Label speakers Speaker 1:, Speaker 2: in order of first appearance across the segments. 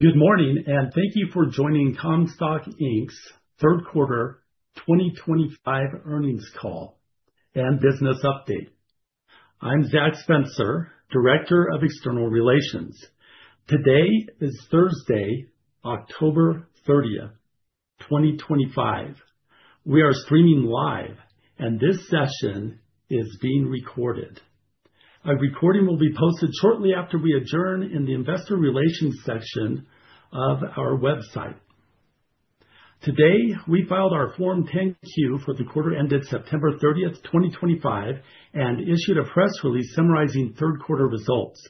Speaker 1: Good morning, and thank you for joining Comstock Inc.'s third quarter 2025 earnings call and business update. I'm Zach Spencer, Director of External Relations. Today is Thursday, October 30th, 2025. We are streaming live, and this session is being recorded. A recording will be posted shortly after we adjourn in the Investor Relations section of our website. Today, we filed our Form 10-Q for the quarter ended September 30th, 2025, and issued a press release summarizing third quarter results.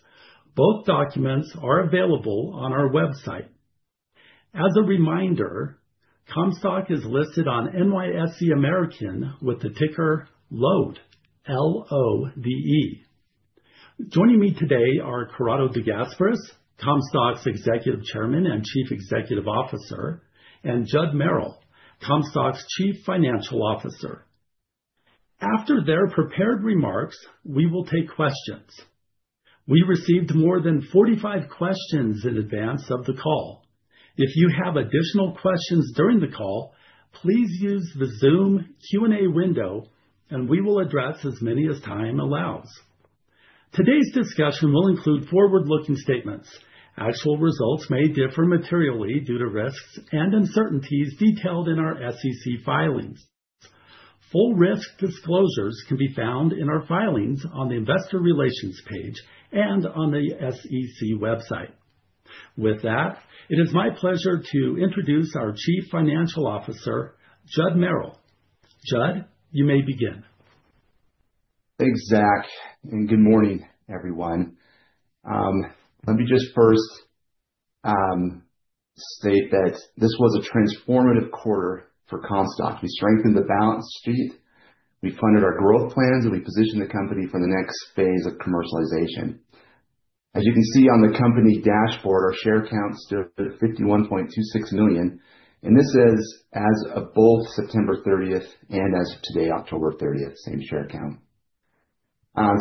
Speaker 1: Both documents are available on our website. As a reminder, Comstock is listed on NYSE American with the ticker LODE, L-O-D-E. Joining me today are Corrado De Gasperis, Comstock's Executive Chairman and Chief Executive Officer, and Judd Merrill, Comstock's Chief Financial Officer. After their prepared remarks, we will take questions. We received more than 45 questions in advance of the call. If you have additional questions during the call, please use the Zoom Q&A window, and we will address as many as time allows. Today's discussion will include forward-looking statements. Actual results may differ materially due to risks and uncertainties detailed in our SEC filings. Full risk disclosures can be found in our filings on the Investor Relations page and on the SEC website. With that, it is my pleasure to introduce our Chief Financial Officer, Judd Merrill. Judd, you may begin.
Speaker 2: Thanks, Zach, and good morning, everyone. Let me just first state that this was a transformative quarter for Comstock. We strengthened the balance sheet, we funded our growth plans, and we positioned the company for the next phase of commercialization. As you can see on the company dashboard, our share count stood at 51.26 million, and this is as of both September 30th and as of today, October 30th, same share count.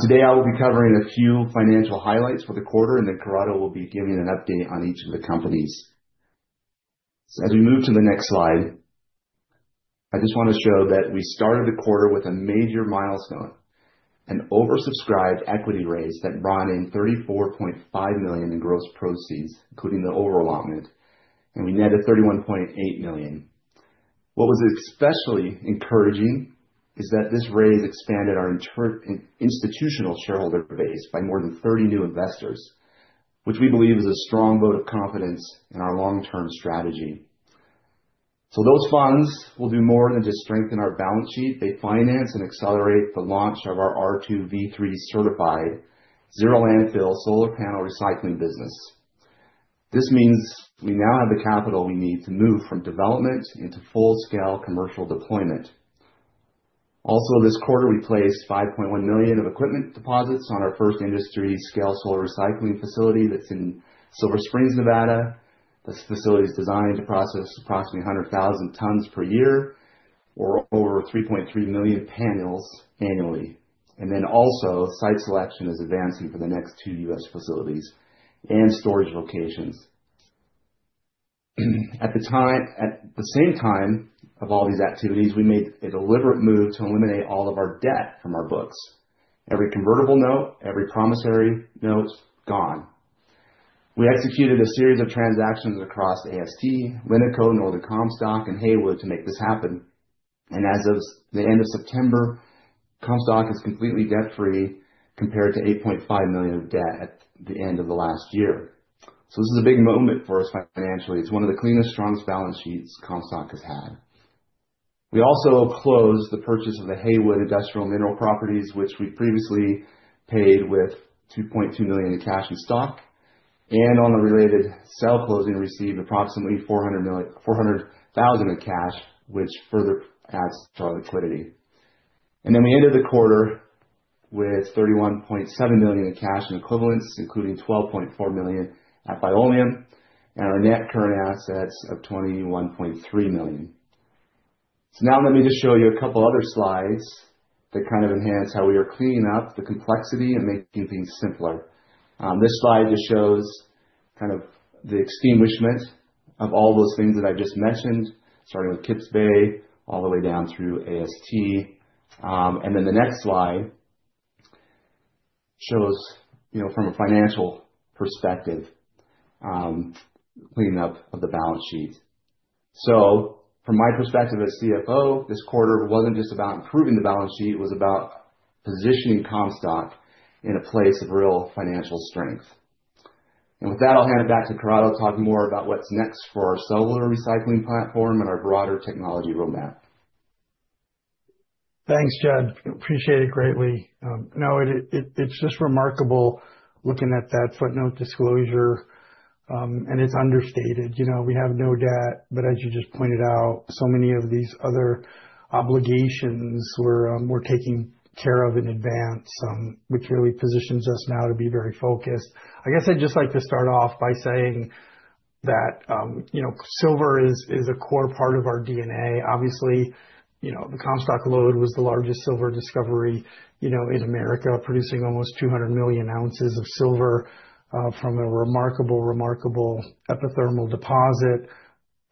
Speaker 2: Today, I will be covering a few financial highlights for the quarter, and then Corrado will be giving an update on each of the companies. As we move to the next slide, I just want to show that we started the quarter with a major milestone: an oversubscribed equity raise that brought in $34.5 million in gross proceeds, including the overall allotment, and we netted $31.8 million. What was especially encouraging is that this raise expanded our institutional shareholder base by more than 30 new investors, which we believe is a strong vote of confidence in our long-term strategy. So those funds will do more than just strengthen our balance sheet. They finance and accelerate the launch of our R2v3 certified zero landfill solar panel recycling business. This means we now have the capital we need to move from development into full-scale commercial deployment. Also, this quarter, we placed $5.1 million of equipment deposits on our first industry-scale solar recycling facility that's in Silver Springs, Nevada. This facility is designed to process approximately 100,000 tons per year or over 3.3 million panels annually. And then also, site selection is advancing for the next two U.S. facilities and storage locations. At the same time of all these activities, we made a deliberate move to eliminate all of our debt from our books. Every convertible note, every promissory note, gone. We executed a series of transactions across AST, LINCO, Northern Comstock, and Haywood to make this happen, and as of the end of September, Comstock is completely debt-free compared to $8.5 million of debt at the end of the last year, so this is a big moment for us financially. It's one of the cleanest, strongest balance sheets Comstock has had. We also closed the purchase of the Haywood Industrial Mineral Properties, which we previously paid with $2.2 million in cash and stock, and on the related sale closing, received approximately $400,000 in cash, which further adds to our liquidity. And then we ended the quarter with $31.7 million in cash and equivalents, including $12.4 million at Biolume and our net current assets of $21.3 million. So now let me just show you a couple other slides that kind of enhance how we are cleaning up the complexity and making things simpler. This slide just shows kind of the extinguishment of all those things that I've just mentioned, starting with Kips Bay all the way down through AST. And then the next slide shows, you know, from a financial perspective, cleaning up of the balance sheet. So from my perspective as CFO, this quarter wasn't just about improving the balance sheet. It was about positioning Comstock in a place of real financial strength. And with that, I'll hand it back to Corrado to talk more about what's next for our solar recycling platform and our broader technology roadmap.
Speaker 3: Thanks, Judd. Appreciate it greatly. No, it's just remarkable looking at that footnote disclosure, and it's understated. You know, we have no debt, but as you just pointed out, so many of these other obligations were taken care of in advance, which really positions us now to be very focused. I guess I'd just like to start off by saying that, you know, silver is a core part of our DNA. Obviously, you know, the Comstock Lode was the largest silver discovery, you know, in America, producing almost 200 million ounces of silver from a remarkable, remarkable epithermal deposit.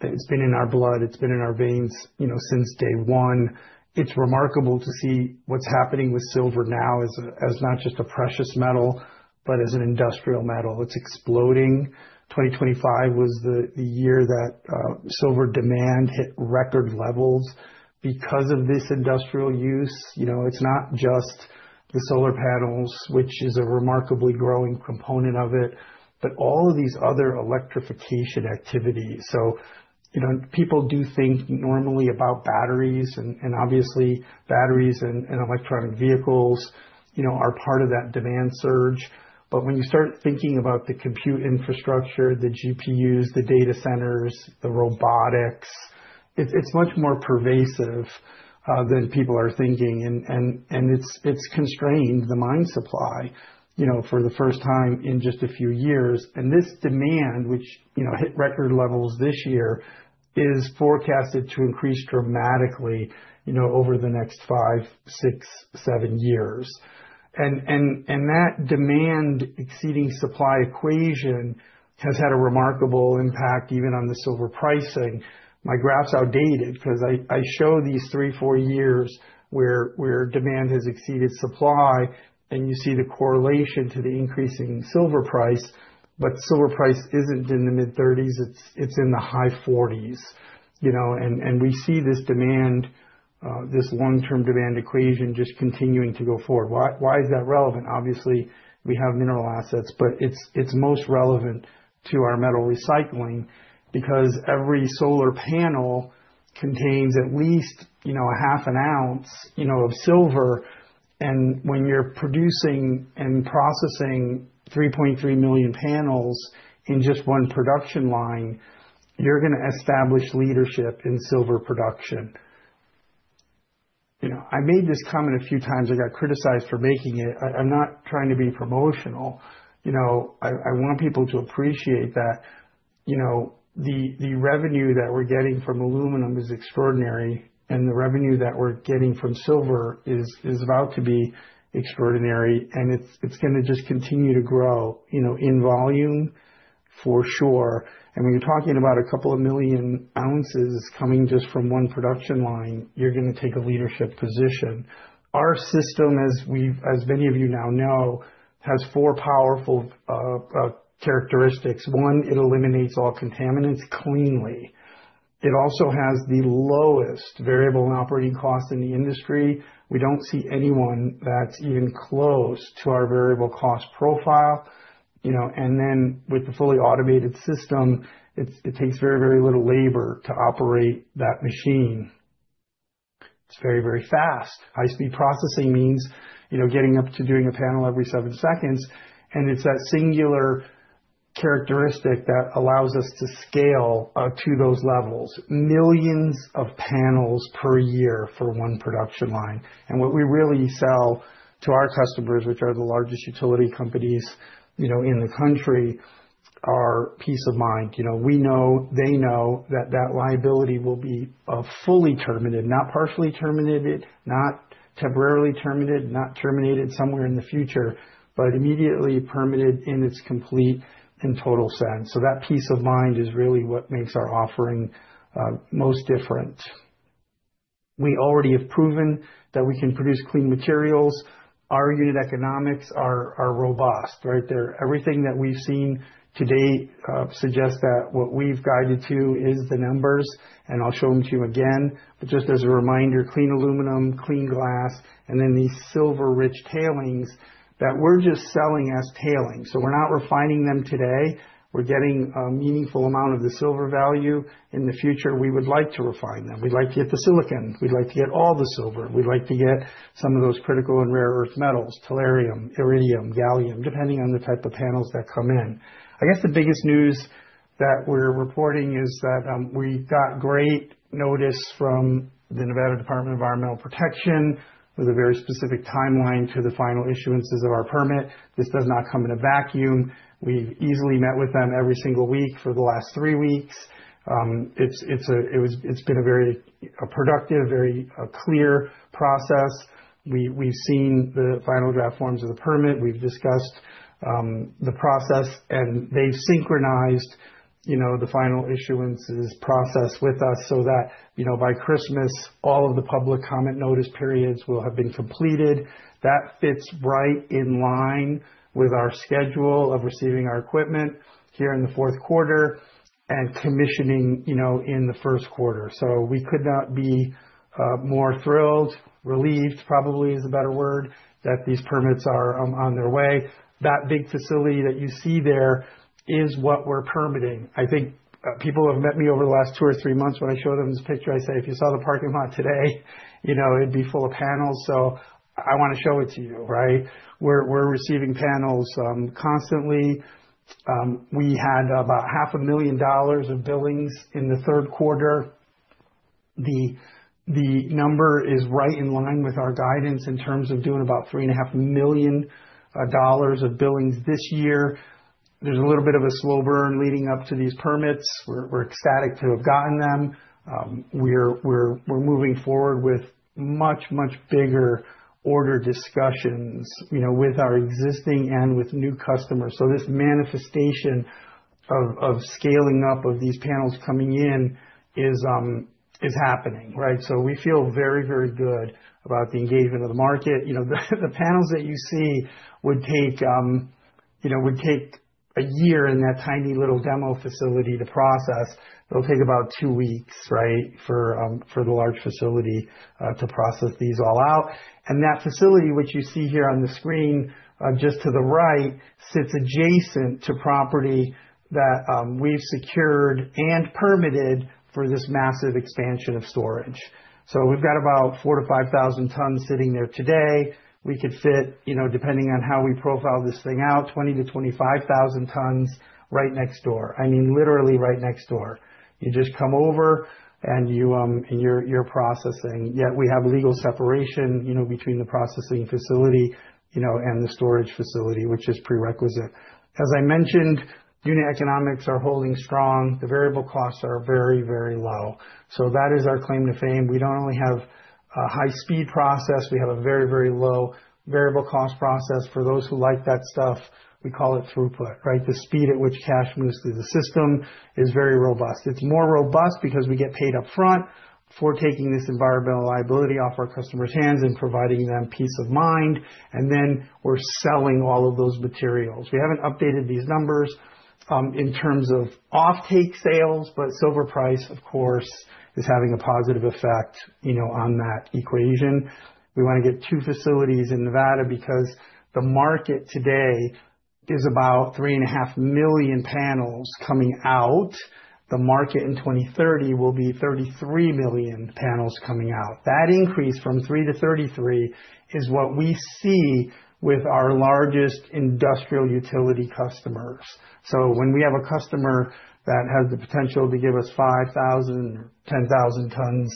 Speaker 3: It's been in our blood. It's been in our veins, you know, since day one. It's remarkable to see what's happening with silver now as not just a precious metal, but as an industrial metal. It's exploding. 2025 was the year that silver demand hit record levels because of this industrial use. You know, it's not just the solar panels, which is a remarkably growing component of it, but all of these other electrification activities, so you know, people do think normally about batteries, and obviously batteries and electric vehicles, you know, are part of that demand surge, but when you start thinking about the compute infrastructure, the GPUs, the data centers, the robotics, it's much more pervasive than people are thinking, and it's constrained the mine supply, you know, for the first time in just a few years, and this demand, which, you know, hit record levels this year, is forecasted to increase dramatically, you know, over the next five, six, seven years, and that demand-exceeding supply equation has had a remarkable impact even on the silver pricing. My graph's outdated because I show these three, four years where demand has exceeded supply, and you see the correlation to the increasing silver price. But silver price isn't in the mid-30s. It's in the high 40s. You know, and we see this demand, this long-term demand equation just continuing to go forward. Why is that relevant? Obviously, we have mineral assets, but it's most relevant to our metal recycling because every solar panel contains at least, you know, a half an ounce, you know, of silver. And when you're producing and processing 3.3 million panels in just one production line, you're going to establish leadership in silver production. You know, I made this comment a few times. I got criticized for making it. I'm not trying to be promotional. You know, I want people to appreciate that, you know, the revenue that we're getting from aluminum is extraordinary, and the revenue that we're getting from silver is about to be extraordinary. And it's going to just continue to grow, you know, in volume for sure. And when you're talking about a couple of million ounces coming just from one production line, you're going to take a leadership position. Our system, as many of you now know, has four powerful characteristics. One, it eliminates all contaminants cleanly. It also has the lowest variable and operating cost in the industry. We don't see anyone that's even close to our variable cost profile. You know, and then with the fully automated system, it takes very, very little labor to operate that machine. It's very, very fast. High-speed processing means, you know, getting up to doing a panel every seven seconds. It's that singular characteristic that allows us to scale to those levels. Millions of panels per year for one production line. What we really sell to our customers, which are the largest utility companies, you know, in the country, are peace of mind. You know, we know, they know that that liability will be fully terminated, not partially terminated, not temporarily terminated, not terminated somewhere in the future, but immediately permitted in its complete and total sense. So that peace of mind is really what makes our offering most different. We already have proven that we can produce clean materials. Our unit economics are robust, right? Everything that we've seen to date suggests that what we've guided to is the numbers. I'll show them to you again. Just as a reminder, clean aluminum, clean glass, and then these silver-rich tailings that we're just selling as tailings. So we're not refining them today. We're getting a meaningful amount of the silver value. In the future, we would like to refine them. We'd like to get the silicon. We'd like to get all the silver. We'd like to get some of those critical and rare earth metals, tellurium, iridium, gallium, depending on the type of panels that come in. I guess the biggest news that we're reporting is that we got great notice from the Nevada Department of Environmental Protection with a very specific timeline to the final issuances of our permit. This does not come in a vacuum. We've easily met with them every single week for the last three weeks. It's been a very productive, very clear process. We've seen the final draft forms of the permit. We've discussed the process, and they've synchronized, you know, the final issuances process with us so that, you know, by Christmas, all of the public comment notice periods will have been completed. That fits right in line with our schedule of receiving our equipment here in the fourth quarter and commissioning, you know, in the first quarter. So we could not be more thrilled, relieved probably is a better word, that these permits are on their way. That big facility that you see there is what we're permitting. I think people have met me over the last two or three months. When I show them this picture, I say, "If you saw the parking lot today, you know, it'd be full of panels." So I want to show it to you, right? We're receiving panels constantly. We had about $500,000 of billings in the third quarter. The number is right in line with our guidance in terms of doing about $3.5 million of billings this year. There's a little bit of a slow burn leading up to these permits. We're ecstatic to have gotten them. We're moving forward with much, much bigger order discussions, you know, with our existing and with new customers. So this manifestation of scaling up of these panels coming in is happening, right? So we feel very, very good about the engagement of the market. You know, the panels that you see would take, you know, would take a year in that tiny little demo facility to process. It'll take about two weeks, right, for the large facility to process these all out. That facility, which you see here on the screen just to the right, sits adjacent to property that we've secured and permitted for this massive expansion of storage. We've got about four to five thousand tons sitting there today. We could fit, you know, depending on how we profile this thing out, 20 to 25 thousand tons right next door. I mean, literally right next door. You just come over and you're processing. Yet we have legal separation, you know, between the processing facility, you know, and the storage facility, which is prerequisite. As I mentioned, unit economics are holding strong. The variable costs are very, very low. That is our claim to fame. We don't only have a high-speed process. We have a very, very low variable cost process. For those who like that stuff, we call it throughput, right? The speed at which cash moves through the system is very robust. It's more robust because we get paid upfront for taking this environmental liability off our customers' hands and providing them peace of mind, and then we're selling all of those materials. We haven't updated these numbers in terms of off-take sales, but silver price, of course, is having a positive effect, you know, on that equation. We want to get two facilities in Nevada because the market today is about three and a half million panels coming out. The market in 2030 will be 33 million panels coming out. That increase from three to 33 is what we see with our largest industrial utility customers, so when we have a customer that has the potential to give us 5,000 or 10,000 tons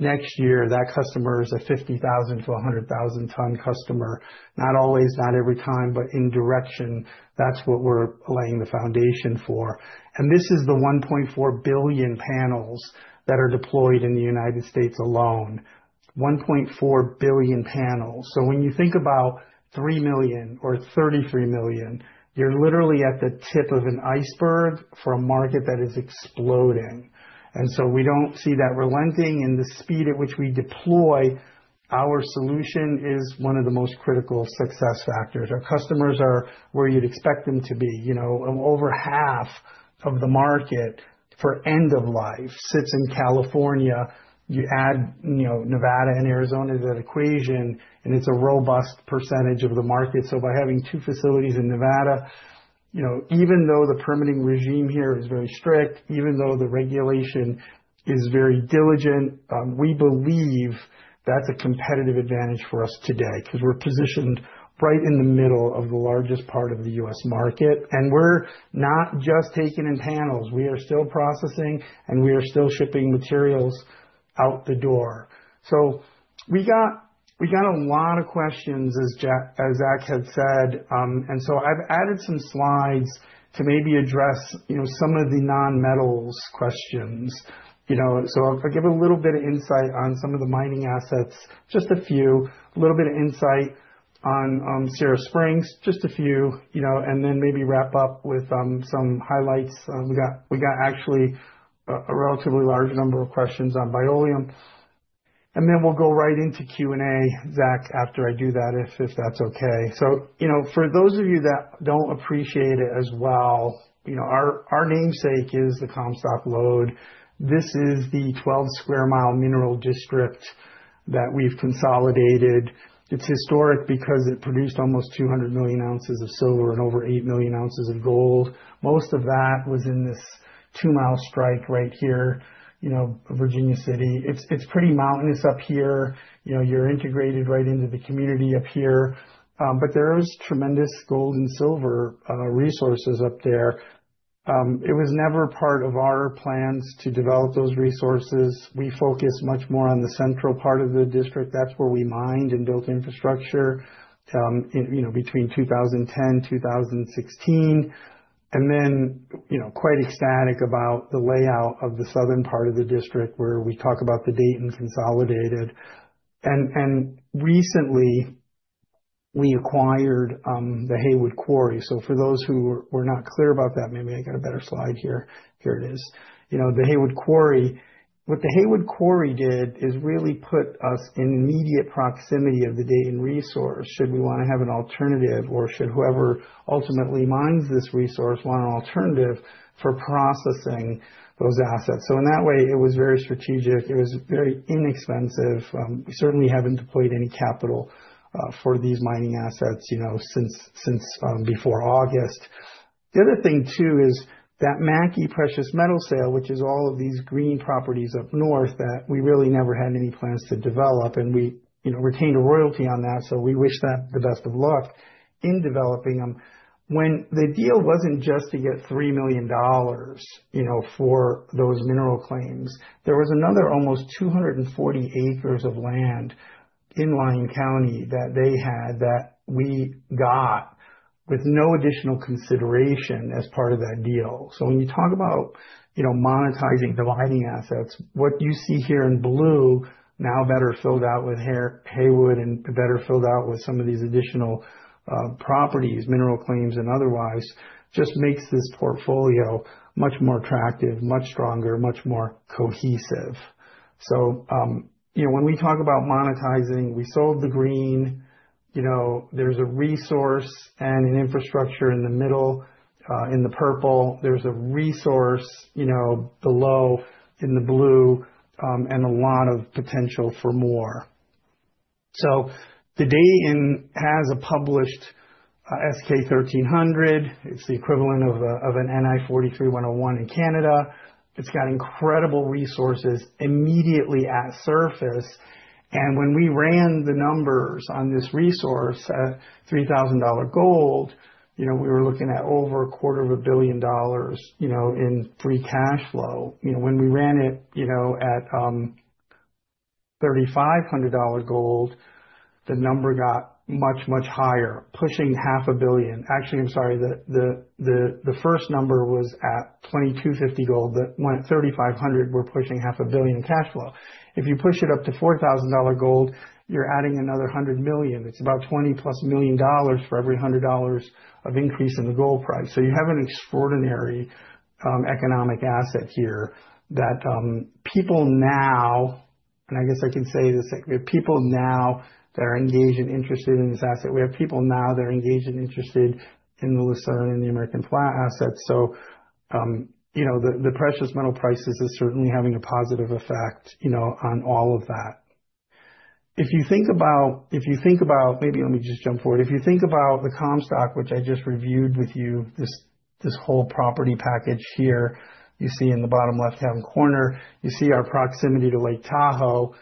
Speaker 3: next year, that customer is a 50,000 to 100,000 ton customer. Not always, not every time, but in direction, that's what we're laying the foundation for, and this is the 1.4 billion panels that are deployed in the United States alone, 1.4 billion panels, so when you think about 3 million or 33 million, you're literally at the tip of an iceberg for a market that is exploding, and so we don't see that relenting in the speed at which we deploy. Our solution is one of the most critical success factors. Our customers are where you'd expect them to be. You know, over half of the market for end of life sits in California. You add, you know, Nevada and Arizona to that equation, and it's a robust percentage of the market. By having two facilities in Nevada, you know, even though the permitting regime here is very strict, even though the regulation is very diligent, we believe that's a competitive advantage for us today because we're positioned right in the middle of the largest part of the U.S. market. We're not just taking in panels. We are still processing, and we are still shipping materials out the door. We got a lot of questions, as Zach had said. I've added some slides to maybe address, you know, some of the non-metals questions. You know, I'll give a little bit of insight on some of the mining assets, just a few, a little bit of insight on Sierra Springs, just a few, you know, and then maybe wrap up with some highlights. We got actually a relatively large number of questions on Biolume. Then we'll go right into Q&A, Zach, after I do that, if that's okay. So, you know, for those of you that don't appreciate it as well, you know, our namesake is the Comstock Lode. This is the 12-sq mi mineral district that we've consolidated. It's historic because it produced almost 200 million ounces of silver and over eight million ounces of gold. Most of that was in this 2-mile strike right here, you know, Virginia City. It's pretty mountainous up here. You know, you're integrated right into the community up here. But there are tremendous gold and silver resources up there. It was never part of our plans to develop those resources. We focus much more on the central part of the district. That's where we mined and built infrastructure, you know, between 2010 and 2016. Then, you know, quite ecstatic about the layout of the southern part of the district where we talk about the Dayton Consolidated. And recently, we acquired the Haywood Quarry. So for those who were not clear about that, maybe I got a better slide here. Here it is. You know, the Haywood Quarry. What the Haywood Quarry did is really put us in immediate proximity of the Dayton resource. Should we want to have an alternative, or should whoever ultimately mines this resource want an alternative for processing those assets? So in that way, it was very strategic. It was very inexpensive. We certainly haven't deployed any capital for these mining assets, you know, since before August. The other thing too is that Mackay Precious Metals sale, which is all of these green properties up north that we really never had any plans to develop. We, you know, retained a royalty on that. We wish them the best of luck in developing them. When the deal wasn't just to get $3 million, you know, for those mineral claims, there was another almost 240 acres of land in Lyon County that they had that we got with no additional consideration as part of that deal. When you talk about, you know, monetizing the mining assets, what you see here in blue, now better filled out with Haywood and better filled out with some of these additional properties, mineral claims and otherwise, just makes this portfolio much more attractive, much stronger, much more cohesive. You know, when we talk about monetizing, we sold the green. You know, there's a resource and an infrastructure in the middle. In the purple, there's a resource, you know, below in the blue and a lot of potential for more. So the Dayton has a published S-K 1300. It's the equivalent of an NI 43-101 in Canada. It's got incredible resources immediately at surface. And when we ran the numbers on this resource, $3,000 gold, you know, we were looking at over $250 million, you know, in free cash flow. You know, when we ran it, you know, at $3,500 gold, the number got much, much higher, pushing $500 million. Actually, I'm sorry, the first number was at $2,250 gold that went $3,500, we're pushing $500 million cash flow. If you push it up to $4,000 gold, you're adding another $100 million. It's about $20 million or more for every $100 of increase in the gold price. So you have an extraordinary economic asset here that people now, and I guess I can say this, we have people now that are engaged and interested in this asset. We have people now that are engaged and interested in the Lucerne and the American Flat assets. So, you know, the precious metal prices are certainly having a positive effect, you know, on all of that. If you think about, if you think about, maybe let me just jump forward. If you think about the Comstock, which I just reviewed with you, this whole property package here, you see in the bottom left-hand corner, you see our proximity to Lake Tahoe,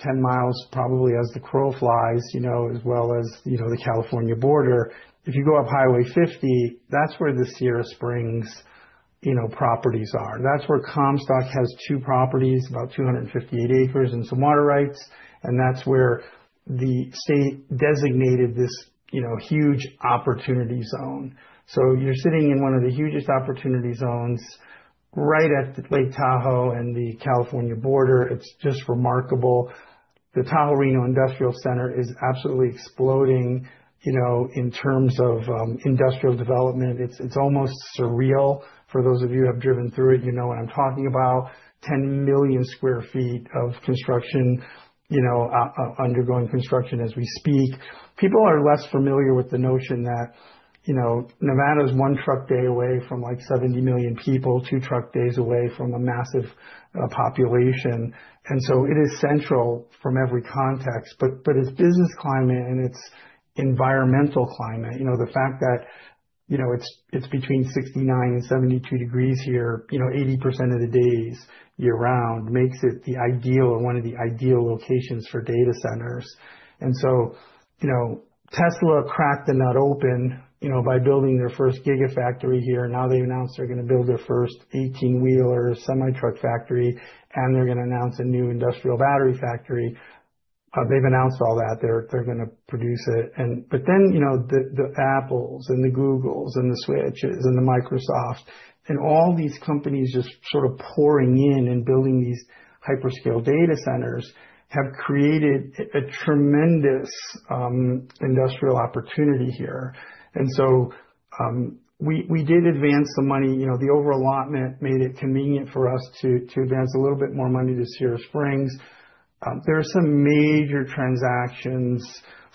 Speaker 3: 10 miles probably as the crow flies, you know, as well as, you know, the California border. If you go up Highway 50, that's where the Sierra Springs, you know, properties are. That's where Comstock has two properties, about 258 acres and some water rights. And that's where the state designated this, you know, huge opportunity zone. So you're sitting in one of the hugest opportunity zones right at Lake Tahoe and the California border. It's just remarkable. The Tahoe-Reno Industrial Center is absolutely exploding, you know, in terms of industrial development. It's almost surreal for those of you who have driven through it, you know what I'm talking about. 10 million sq ft of construction, you know, undergoing construction as we speak. People are less familiar with the notion that, you know, Nevada is one truck day away from like 70 million people, two truck days away from a massive population. And so it is central from every context. But it's business climate and it's environmental climate. You know, the fact that, you know, it's between 69 and 72 degrees here, you know, 80% of the days year-round makes it the ideal or one of the ideal locations for data centers. And so, you know, Tesla cracked the nut open, you know, by building their first gigafactory here. Now they announced they're going to build their first 18-wheeler semi-truck factory, and they're going to announce a new industrial battery factory. They've announced all that. They're going to produce it. And but then, you know, the Apples and the Googles and the Switches and the Microsofts and all these companies just sort of pouring in and building these hyperscale data centers have created a tremendous industrial opportunity here. And so we did advance the money. You know, the overallotment made it convenient for us to advance a little bit more money to Sierra Springs. There are some major transactions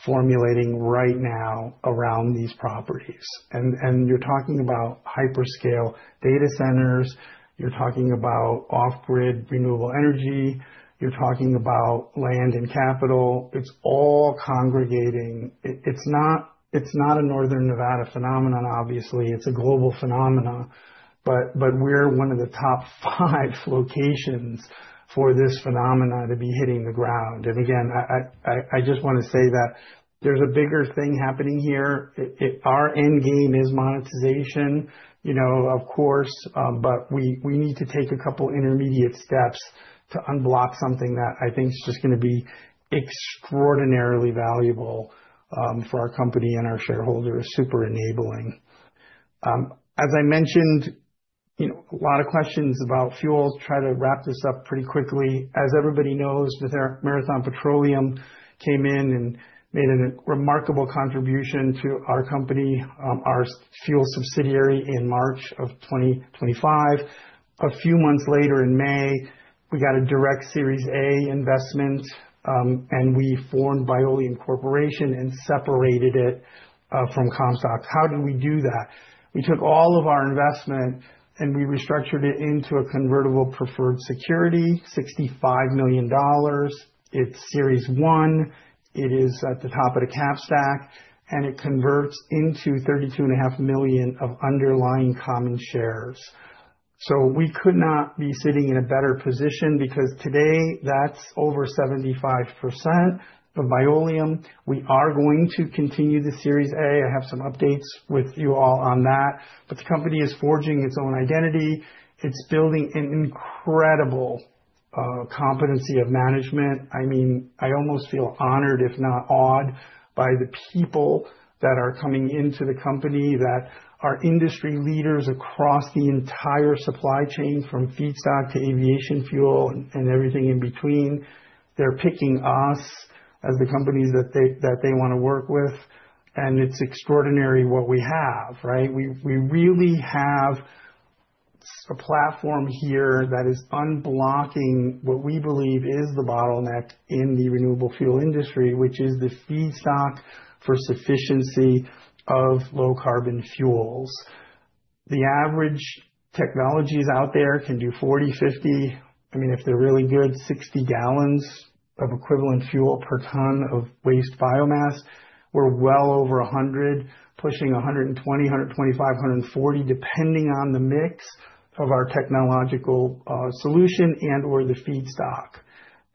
Speaker 3: formulating right now around these properties, and you're talking about hyperscale data centers. You're talking about off-grid renewable energy. You're talking about land and capital. It's all congregating. It's not a Northern Nevada phenomenon, obviously. It's a global phenomenon, but we're one of the top five locations for this phenomenon to be hitting the ground, and again, I just want to say that there's a bigger thing happening here. Our end game is monetization, you know, of course, but we need to take a couple of intermediate steps to unblock something that I think is just going to be extraordinarily valuable for our company and our shareholders, super enabling. As I mentioned, you know, a lot of questions about fuel. Try to wrap this up pretty quickly. As everybody knows, the Marathon Petroleum came in and made a remarkable contribution to our company, our fuel subsidiary, in March of 2025. A few months later, in May, we got a direct Series A investment, and we formed Biolume Corporation and separated it from Comstock. How did we do that? We took all of our investment and we restructured it into a convertible preferred security, $65 million. It's Series One. It is at the top of the cap stack, and it converts into 32.5 million of underlying common shares. So we could not be sitting in a better position because today that's over 75% of Biolume. We are going to continue the Series A. I have some updates with you all on that. But the company is forging its own identity. It's building an incredible competency of management. I mean, I almost feel honored, if not awed, by the people that are coming into the company that are industry leaders across the entire supply chain from feedstock to aviation fuel and everything in between. They're picking us as the companies that they want to work with. And it's extraordinary what we have, right? We really have a platform here that is unblocking what we believe is the bottleneck in the renewable fuel industry, which is the feedstock for sufficiency of low carbon fuels. The average technologies out there can do 40, 50, I mean, if they're really good, 60 gallons of equivalent fuel per ton of waste biomass. We're well over 100, pushing 120, 125, 140, depending on the mix of our technological solution and/or the feedstock.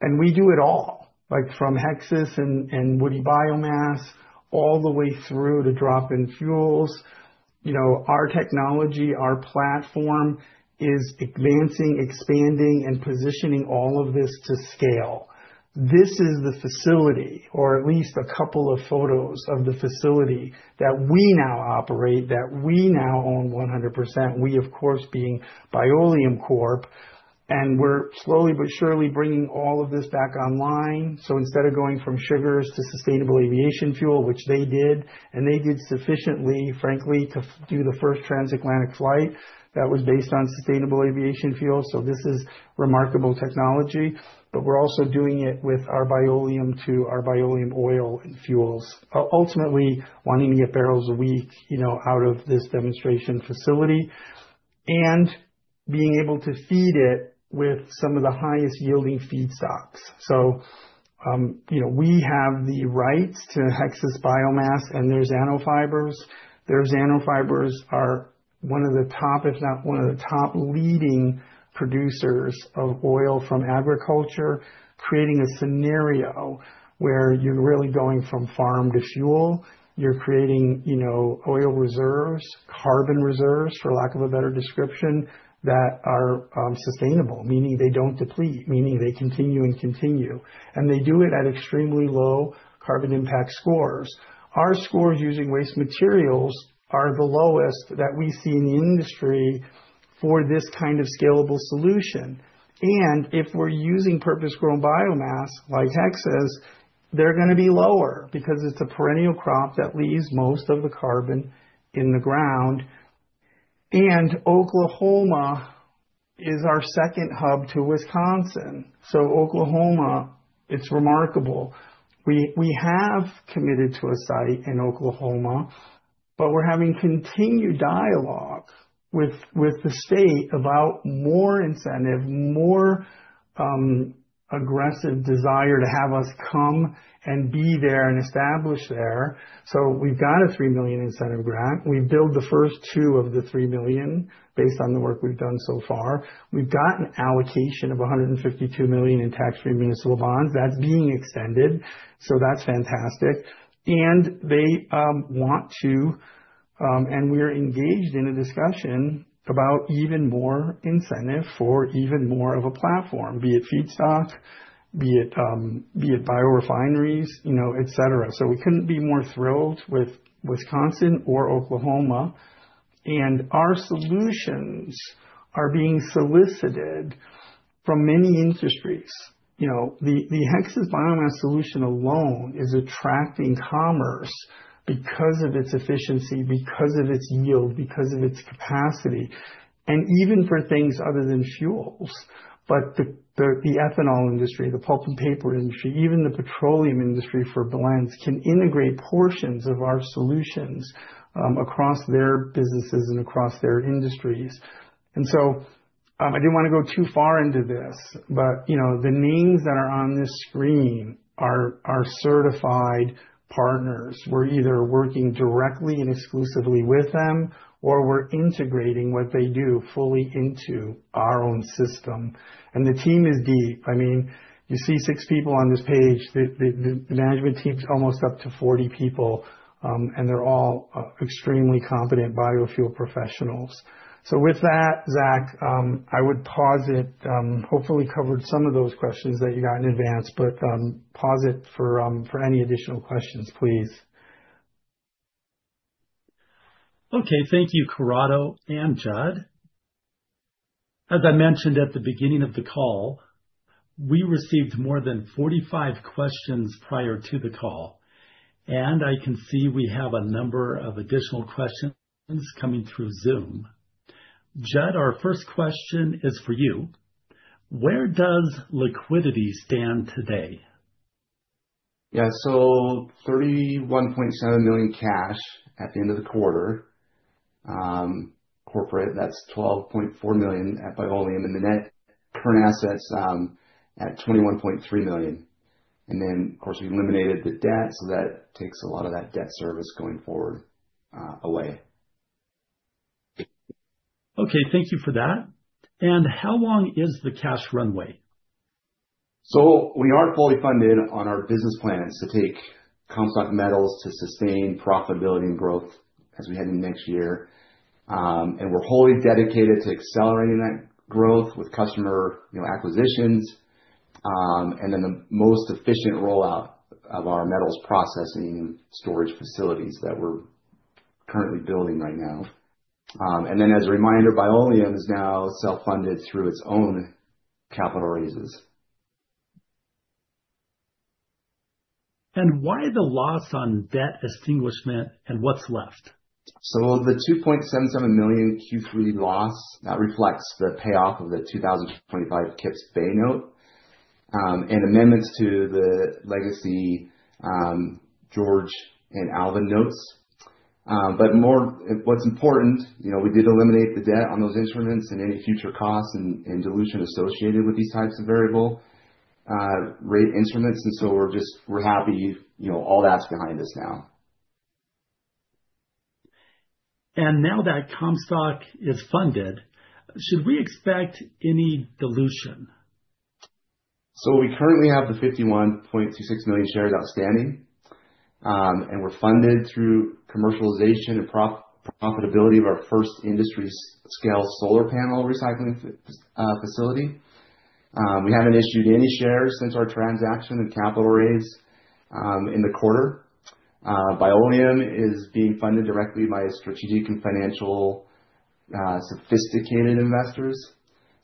Speaker 3: And we do it all, like from Hexas and woody biomass all the way through to drop-in fuels. You know, our technology, our platform is advancing, expanding, and positioning all of this to scale. This is the facility, or at least a couple of photos of the facility that we now operate, that we now own 100%, we, of course, being Biolume Corp, and we're slowly but surely bringing all of this back online. So instead of going from sugars to sustainable aviation fuel, which they did, and they did sufficiently, frankly, to do the first transatlantic flight that was based on sustainable aviation fuel. So this is remarkable technology. But we're also doing it with our Biolume to our Biolume oil and fuels, ultimately wanting to get barrels a week, you know, out of this demonstration facility and being able to feed it with some of the highest yielding feedstocks. So, you know, we have the rights to Hexas Biomass, and there's nanofibers. These nanofibers are one of the top, if not one of the top, leading producers of oil from agriculture, creating a scenario where you're really going from farm to fuel. You're creating, you know, oil reserves, carbon reserves, for lack of a better description, that are sustainable, meaning they don't deplete, meaning they continue and continue, and they do it at extremely low carbon impact scores. Our scores using waste materials are the lowest that we see in the industry for this kind of scalable solution, and if we're using purpose-grown biomass like Hexas, they're going to be lower because it's a perennial crop that leaves most of the carbon in the ground, and Oklahoma is our second hub to Wisconsin, so Oklahoma, it's remarkable. We have committed to a site in Oklahoma, but we're having continued dialogue with the state about more incentive, more aggressive desire to have us come and be there and establish there. So we've got a $3 million incentive grant. We built the first two of the $3 million based on the work we've done so far. We've got an allocation of $152 million in tax-free municipal bonds. That's being extended. So that's fantastic. And they want to, and we're engaged in a discussion about even more incentive for even more of a platform, be it feedstock, be it bio refineries, you know, et cetera. So we couldn't be more thrilled with Wisconsin or Oklahoma. And our solutions are being solicited from many industries. You know, the Hexas biomass solution alone is attracting commerce because of its efficiency, because of its yield, because of its capacity, and even for things other than fuels. But the ethanol industry, the pulp and paper industry, even the petroleum industry for blends can integrate portions of our solutions across their businesses and across their industries. And so I didn't want to go too far into this, but you know, the names that are on this screen are certified partners. We're either working directly and exclusively with them, or we're integrating what they do fully into our own system. And the team is deep. I mean, you see six people on this page. The management team's almost up to 40 people, and they're all extremely competent biofuel professionals. So with that, Zach, I would pause it. Hopefully covered some of those questions that you got in advance, but pause it for any additional questions, please.
Speaker 1: Okay, thank you, Corrado and Judd. As I mentioned at the beginning of the call, we received more than 45 questions prior to the call, and I can see we have a number of additional questions coming through Zoom. Judd, our first question is for you. Where does liquidity stand today?
Speaker 2: Yeah, so $31.7 million cash at the end of the quarter. Corporate, that's $12.4 million at Biolume and the net current assets at $21.3 million. And then, of course, we eliminated the debt, so that takes a lot of that debt service going forward away.
Speaker 1: Okay, thank you for that, and how long is the cash runway?
Speaker 2: So we are fully funded on our business plans to take Comstock Metals to sustain profitability and growth as we head into next year. We're wholly dedicated to accelerating that growth with customer acquisitions and then the most efficient rollout of our metals processing and storage facilities that we're currently building right now. As a reminder, Biolume is now self-funded through its own capital raises.
Speaker 1: Why the loss on debt extinguishment and what's left?
Speaker 2: The $2.77 million Q3 loss reflects the payoff of the 2025 Kips Bay note and amendments to the legacy George and Alvin notes. More what's important, you know, we did eliminate the debt on those instruments and any future costs and dilution associated with these types of variable rate instruments. We're just, we're happy, you know, all that's behind us now.
Speaker 1: And now that Comstock is funded, should we expect any dilution?
Speaker 2: So we currently have the 51.26 million shares outstanding. And we're funded through commercialization and profitability of our first industry-scale solar panel recycling facility. We haven't issued any shares since our transaction and capital raise in the quarter. Biolume is being funded directly by strategic and financial sophisticated investors.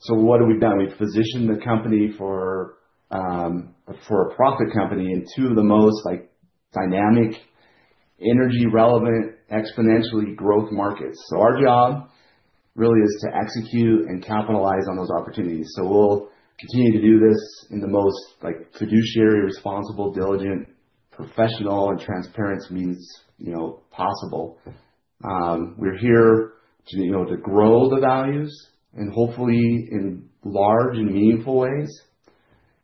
Speaker 2: So what have we done? We've positioned the company for a profit company in two of the most dynamic, energy-relevant, exponentially growth markets. So our job really is to execute and capitalize on those opportunities. So we'll continue to do this in the most fiduciary, responsible, diligent, professional, and transparent means, you know, possible. We're here to, you know, to grow the values and hopefully in large and meaningful ways.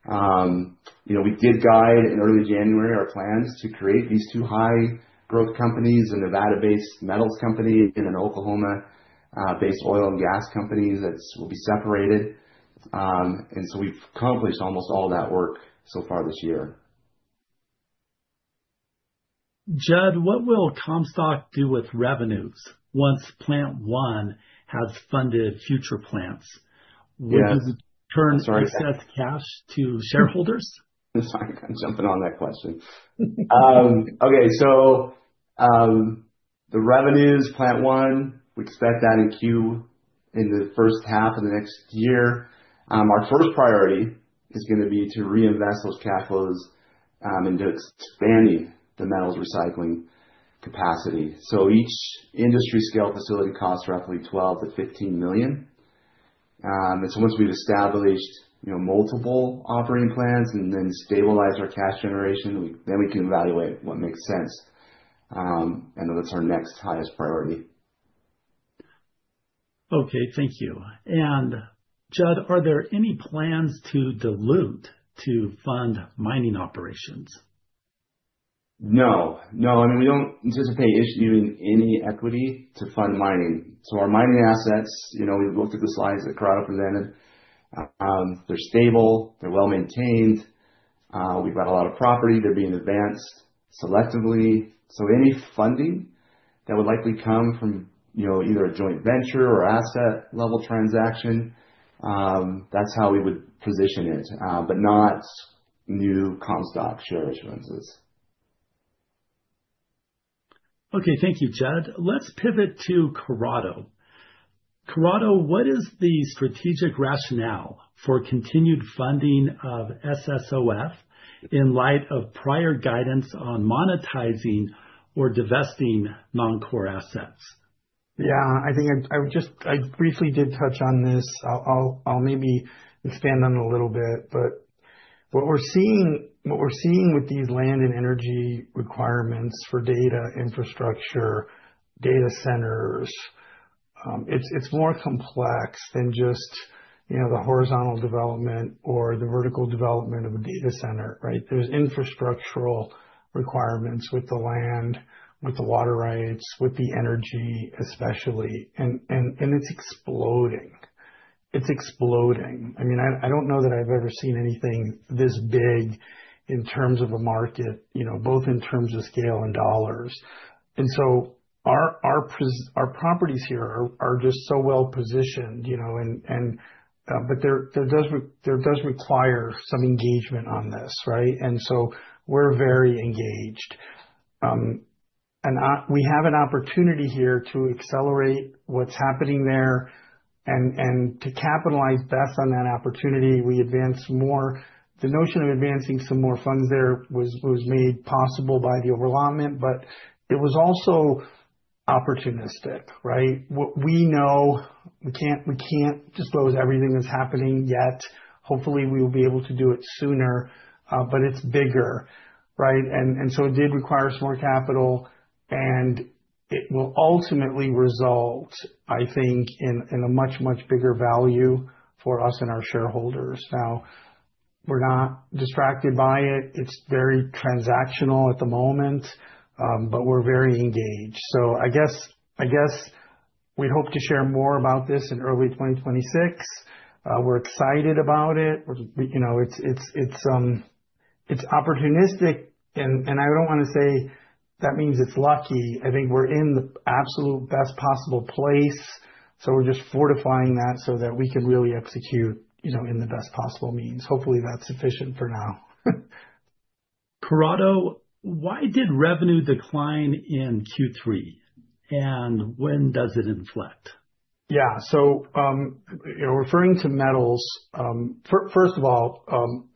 Speaker 2: You know, we did guide in early January our plans to create these two high-growth companies, a Nevada-based metals company and an Oklahoma-based oil and gas company that will be separated. So we've accomplished almost all that work so far this year.
Speaker 1: Judd, what will Comstock do with revenues once Plant One has funded future plants?
Speaker 2: Yes
Speaker 1: Will it turn excess cash to shareholders?
Speaker 2: Sorry, I'm jumping on that question. Okay, so the revenues, Plant One, we expect that in Q1 in the first half of the next year. Our first priority is going to be to reinvest those cash flows into expanding the metals recycling capacity. So each industry-scale facility costs roughly $12 million-$15 million. So once we've established, you know, multiple operating plants and then stabilize our cash generation, then we can evaluate what makes sense. That's our next highest priority.
Speaker 1: Okay, thank you. And Judd, are there any plans to dilute to fund mining operations?
Speaker 2: No. No, I mean, we don't anticipate issuing any equity to fund mining. So our mining assets, you know, we've looked at the slides that Corrado presented. They're stable. They're well maintained. We've got a lot of property. They're being advanced selectively. So any funding that would likely come from, you know, either a joint venture or asset-level transaction, that's how we would position it, but not new Comstock share issuances.
Speaker 1: Okay, thank you, Judd. Let's pivot to Corrado. Corrado, what is the strategic rationale for continued funding of SSOF in light of prior guidance on monetizing or divesting non-core assets?
Speaker 3: Yeah, I think I just, I briefly did touch on this. I'll maybe expand on it a little bit, but what we're seeing, what we're seeing with these land and energy requirements for data infrastructure, data centers, it's more complex than just, you know, the horizontal development or the vertical development of a data center, right? There's infrastructural requirements with the land, with the water rights, with the energy especially. And it's exploding. It's exploding. I mean, I don't know that I've ever seen anything this big in terms of a market, you know, both in terms of scale and dollars. And so our properties here are just so well positioned, you know, and but there does require some engagement on this, right? And so we're very engaged. And we have an opportunity here to accelerate what's happening there and to capitalize best on that opportunity. We advance more. The notion of advancing some more funds there was made possible by the overlapment, but it was also opportunistic, right? We know we can't disclose everything that's happening yet. Hopefully, we will be able to do it sooner, but it's bigger, right, and so it did require some more capital, and it will ultimately result, I think, in a much, much bigger value for us and our shareholders. Now, we're not distracted by it. It's very transactional at the moment, but we're very engaged. So I guess we'd hope to share more about this in early 2026. We're excited about it. You know, it's opportunistic, and I don't want to say that means it's lucky. I think we're in the absolute best possible place, so we're just fortifying that so that we can really execute, you know, in the best possible means. Hopefully, that's sufficient for now.
Speaker 1: Corrado, why did revenue decline in Q3? And when does it inflect?
Speaker 3: Yeah, so, you know, referring to metals, first of all,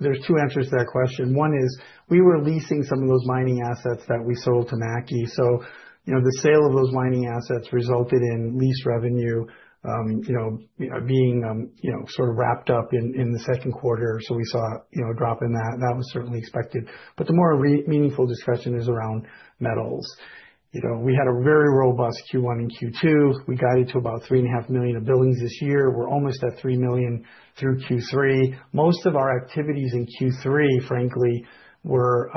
Speaker 3: there's two answers to that question. One is we were leasing some of those mining assets that we sold to Mackie. So, you know, the sale of those mining assets resulted in lease revenue, you know, being, you know, sort of wrapped up in the second quarter. So we saw, you know, a drop in that. That was certainly expected. But the more meaningful discussion is around metals. You know, we had a very robust Q1 and Q2. We guided to about $3.5 million in billings this year. We're almost at $3 million through Q3. Most of our activities in Q3, frankly, were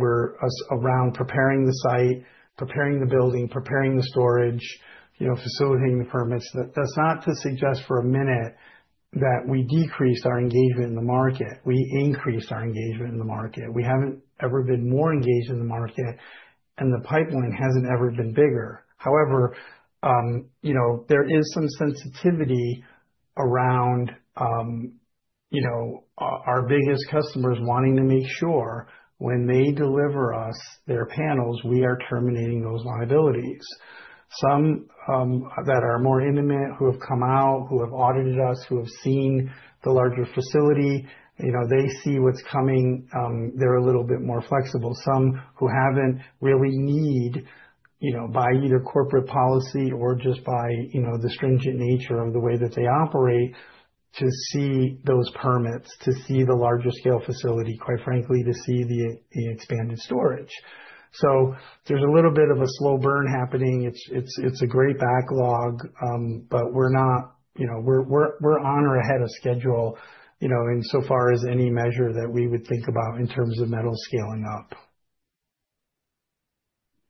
Speaker 3: around preparing the site, preparing the building, preparing the storage, you know, facilitating the permits. That's not to suggest for a minute that we decreased our engagement in the market. We increased our engagement in the market. We haven't ever been more engaged in the market, and the pipeline hasn't ever been bigger. However, you know, there is some sensitivity around, you know, our biggest customers wanting to make sure when they deliver us their panels, we are terminating those liabilities. Some that are more intimate, who have come out, who have audited us, who have seen the larger facility, you know, they see what's coming. They're a little bit more flexible. Some who haven't really need, you know, by either corporate policy or just by, you know, the stringent nature of the way that they operate, to see those permits, to see the larger scale facility, quite frankly, to see the expanded storage. So there's a little bit of a slow burn happening. It's a great backlog, but we're not, you know, we're on or ahead of schedule, you know, in so far as any measure that we would think about in terms of metals scaling up.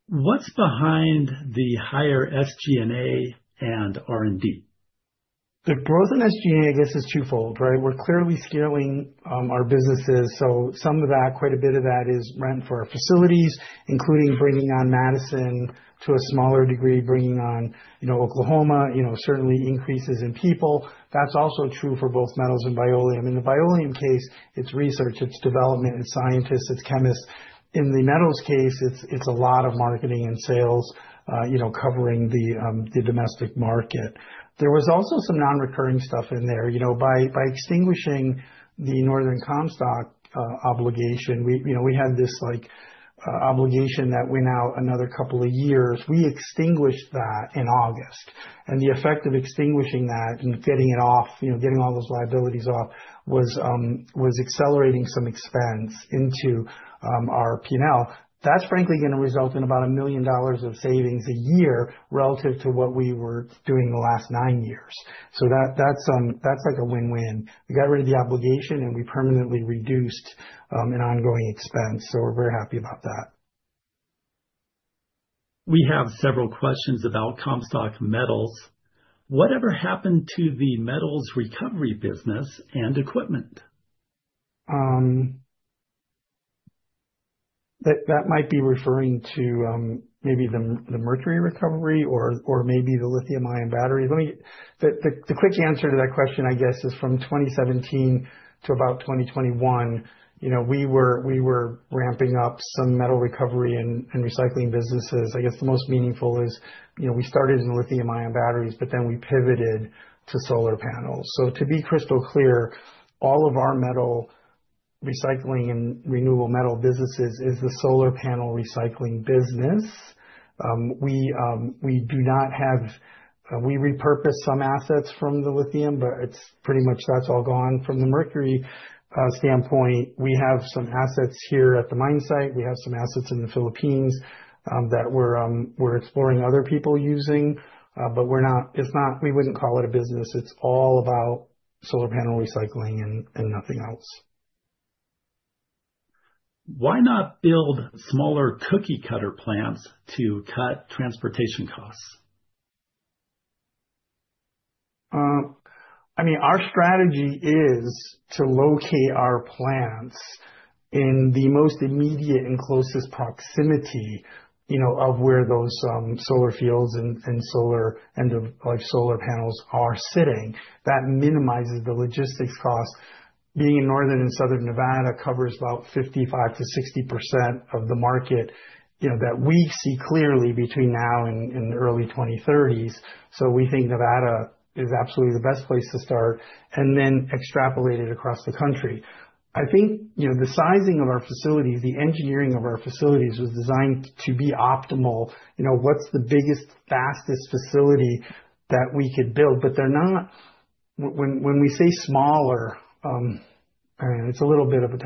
Speaker 3: What's behind the higher SG&A and R&D? The growth in SG&A, this is twofold, right? We're clearly scaling our businesses. So some of that, quite a bit of that is rent for our facilities, including bringing on Madison, to a smaller degree, bringing on, you know, Oklahoma, you know, certainly increases in people. That's also true for both metals and Biolume. In the Biolume case, it's research, it's development, it's scientists, it's chemists. In the metals case, it's a lot of marketing and sales, you know, covering the domestic market. There was also some non-recurring stuff in there, you know, by extinguishing the Northern Comstock obligation. We, you know, we had this like obligation that went out another couple of years. We extinguished that in August, and the effect of extinguishing that and getting it off, you know, getting all those liabilities off was accelerating some expense into our P&L. That's frankly going to result in about $1 million of savings a year relative to what we were doing the last nine years, so that's like a win-win. We got rid of the obligation and we permanently reduced an ongoing expense, so we're very happy about that.
Speaker 1: We have several questions about Comstock Metals. Whatever happened to the metals recovery business and equipment?
Speaker 3: That might be referring to maybe the mercury recovery or maybe the lithium-ion batteries. Let me get the quick answer to that question, I guess, is from 2017 to about 2021, you know, we were ramping up some metal recovery and recycling businesses. I guess the most meaningful is, you know, we started in lithium-ion batteries, but then we pivoted to solar panels. So to be crystal clear, all of our metal recycling and renewable metal businesses is the solar panel recycling business. We do not have, we repurpose some assets from the lithium, but it's pretty much that's all gone from the mercury standpoint. We have some assets here at the mine site. We have some assets in the Philippines that we're exploring other people using, but we're not, it's not, we wouldn't call it a business. It's all about solar panel recycling and nothing else.
Speaker 1: Why not build smaller cookie cutter plants to cut transportation costs?
Speaker 3: I mean, our strategy is to locate our plants in the most immediate and closest proximity, you know, of where those solar fields and solar and like solar panels are sitting. That minimizes the logistics costs. Being in northern and southern Nevada covers about 55%-60% of the market, you know, that we see clearly between now and early 2030s. So we think Nevada is absolutely the best place to start and then extrapolate it across the country. I think, you know, the sizing of our facilities, the engineering of our facilities was designed to be optimal. You know, what's the biggest, fastest facility that we could build? But they're not, when we say smaller, and it's a little bit of a,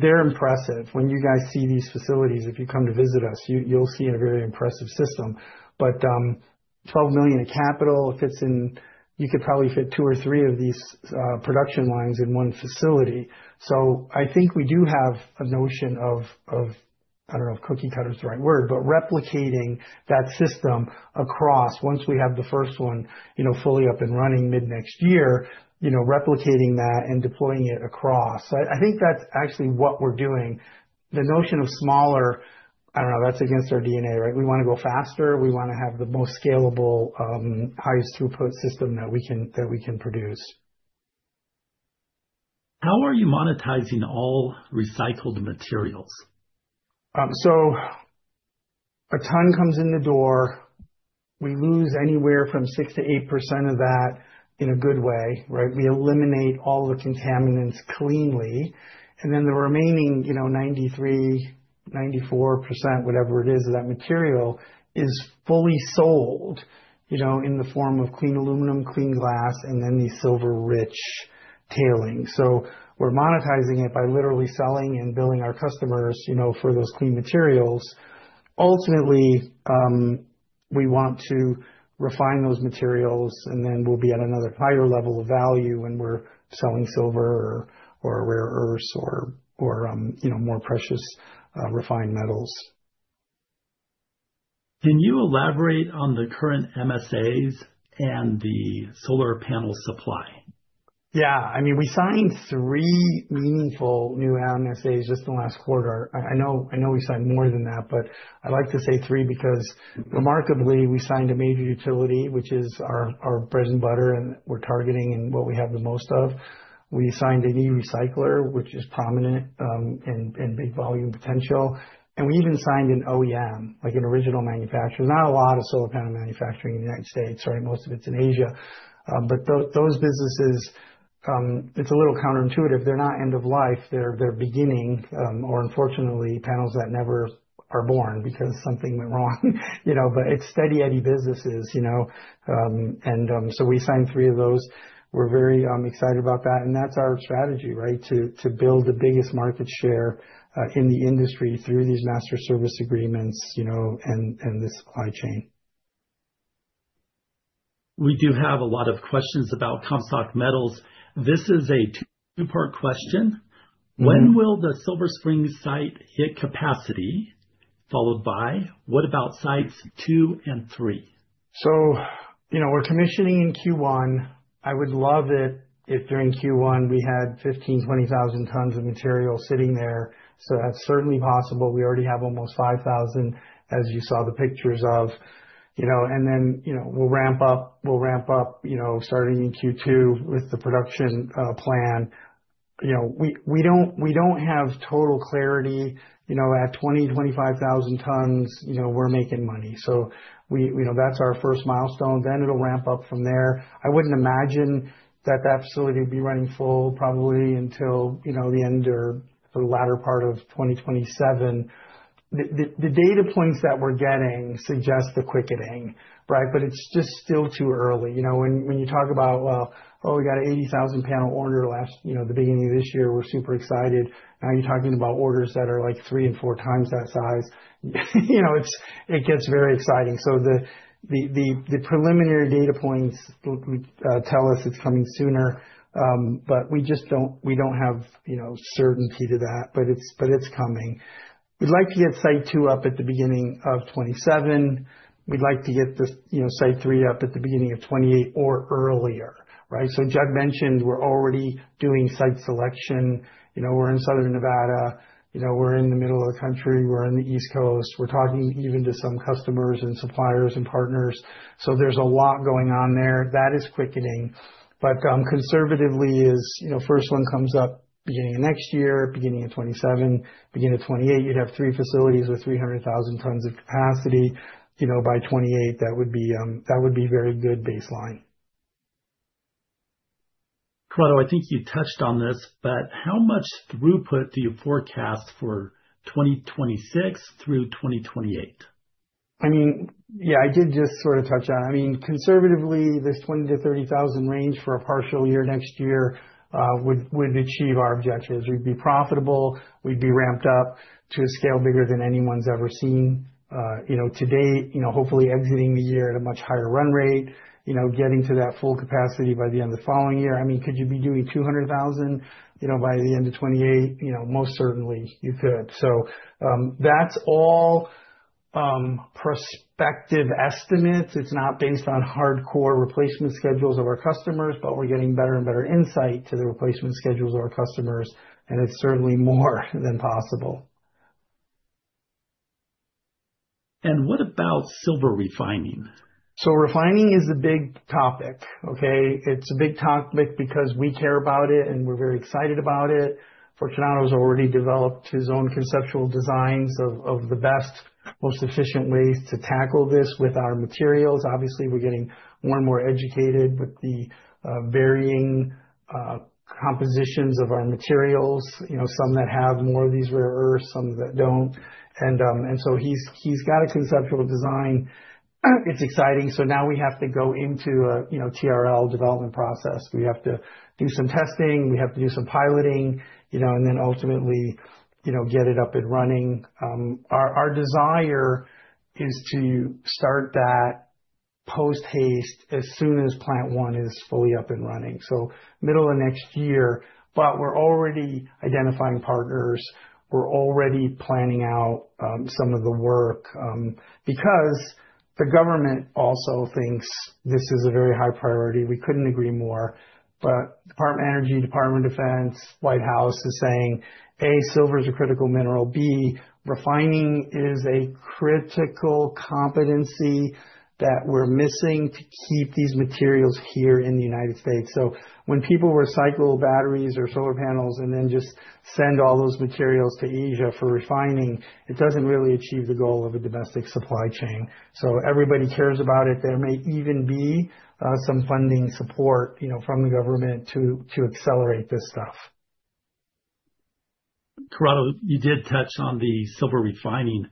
Speaker 3: they're impressive. When you guys see these facilities, if you come to visit us, you'll see a very impressive system. But $12 million of capital, it fits in. You could probably fit two or three of these production lines in one facility. So I think we do have a notion of, I don't know if cookie cutter is the right word, but replicating that system across. Once we have the first one, you know, fully up and running mid next year, you know, replicating that and deploying it across. So I think that's actually what we're doing. The notion of smaller, I don't know, that's against our DNA, right? We want to go faster. We want to have the most scalable, highest throughput system that we can produce. How are you monetizing all recycled materials? So a ton comes in the door. We lose anywhere from 6%-8% of that in a good way, right? We eliminate all the contaminants cleanly. The remaining, you know, 93%-94%, whatever it is of that material is fully sold, you know, in the form of clean aluminum, clean glass, and then the silver-rich tailings. So we're monetizing it by literally selling and billing our customers, you know, for those clean materials. Ultimately, we want to refine those materials and then we'll be at another higher level of value when we're selling silver or rare earths or, you know, more precious refined metals.
Speaker 1: Can you elaborate on the current MSAs and the solar panel supply?
Speaker 3: Yeah, I mean, we signed three meaningful new MSAs just in the last quarter. I know we signed more than that, but I'd like to say three because remarkably we signed a major utility, which is our bread and butter and we're targeting and what we have the most of. We signed a new recycler, which is prominent and big volume potential, and we even signed an OEM, like an original manufacturer. There's not a lot of solar panel manufacturing in the United States, right? Most of it's in Asia, but those businesses, it's a little counterintuitive. They're not end of life. They're beginning, or unfortunately, panels that never are born because something went wrong, you know, but it's steady-eddy businesses, you know, and so we signed three of those. We're very excited about that, and that's our strategy, right, to build the biggest market share in the industry through these master service agreements, you know, and the supply chain.
Speaker 1: We do have a lot of questions about Comstock Metals. This is a two-part question. When will the Silver Springs site hit capacity? Followed by, what about sites two and three?
Speaker 3: So you know, we're commissioning in Q1. I would love it if during Q1 we had 15,000, 20,000 tons of material sitting there. So that's certainly possible. We already have almost 5,000, as you saw the pictures of, you know, and then, you know, we'll ramp up, we'll ramp up, you know, starting in Q2 with the production plan. You know, we don't have total clarity, you know, at 20,000, 25,000 tons, you know, we're making money. So we, you know, that's our first milestone. Then it'll ramp up from there. I wouldn't imagine that that facility would be running full probably until, you know, the end or the latter part of 2027. The data points that we're getting suggest the quickening, right? But it's just still too early. You know, when you talk about, well, oh, we got an 80,000 panel order last, you know, the beginning of this year, we're super excited. Now you're talking about orders that are like three and four times that size. You know, it gets very exciting. So the preliminary data points tell us it's coming sooner, but we just don't, we don't have, you know, certainty to that, but it's coming. We'd like to get site two up at the beginning of 2027. We'd like to get the, you know, site three up at the beginning of 2028 or earlier, right? So Judd mentioned we're already doing site selection. You know, we're in southern Nevada. You know, we're in the middle of the country. We're in the East Coast. We're talking even to some customers and suppliers and partners. So there's a lot going on there. That is quickening. But conservatively is, you know, first one comes up beginning of next year, beginning of 2027, beginning of 2028. You'd have three facilities with 300,000 tons of capacity. You know, by 2028, that would be very good baseline.
Speaker 1: Corrado, I think you touched on this, but how much throughput do you forecast for 2026 through 2028?
Speaker 3: I mean, yeah, I did just sort of touch on it. I mean, conservatively, this 20-30,000 range for a partial year next year would achieve our objectives. We'd be profitable. We'd be ramped up to a scale bigger than anyone's ever seen. You know, today, you know, hopefully exiting the year at a much higher run rate, you know, getting to that full capacity by the end of the following year. I mean, could you be doing 200,000, you know, by the end of 2028? You know, most certainly you could. So that's all prospective estimates. It's not based on hardcore replacement schedules of our customers, but we're getting better and better insight to the replacement schedules of our customers. And it's certainly more than possible.
Speaker 1: And what about silver refining?
Speaker 3: So refining is a big topic, okay? It's a big topic because we care about it and we're very excited about it. Fortunato has already developed his own conceptual designs of the best, most efficient ways to tackle this with our materials. Obviously, we're getting more and more educated with the varying compositions of our materials, you know, some that have more of these rare earths, some that don't. And so he's got a conceptual design. It's exciting. So now we have to go into a, you know, TRL development process. We have to do some testing. We have to do some piloting, you know, and then ultimately, you know, get it up and running. Our desire is to start that post-haste as soon as plant one is fully up and running, so middle of next year, but we're already identifying partners. We're already planning out some of the work because the government also thinks this is a very high priority. We couldn't agree more, but Department of Energy, Department of Defense, White House is saying, A, silver is a critical mineral. B, refining is a critical competency that we're missing to keep these materials here in the United States, so when people recycle batteries or solar panels and then just send all those materials to Asia for refining, it doesn't really achieve the goal of a domestic supply chain, so everybody cares about it. There may even be some funding support, you know, from the government to accelerate this stuff.
Speaker 1: Corrado, you did touch on the silver refining.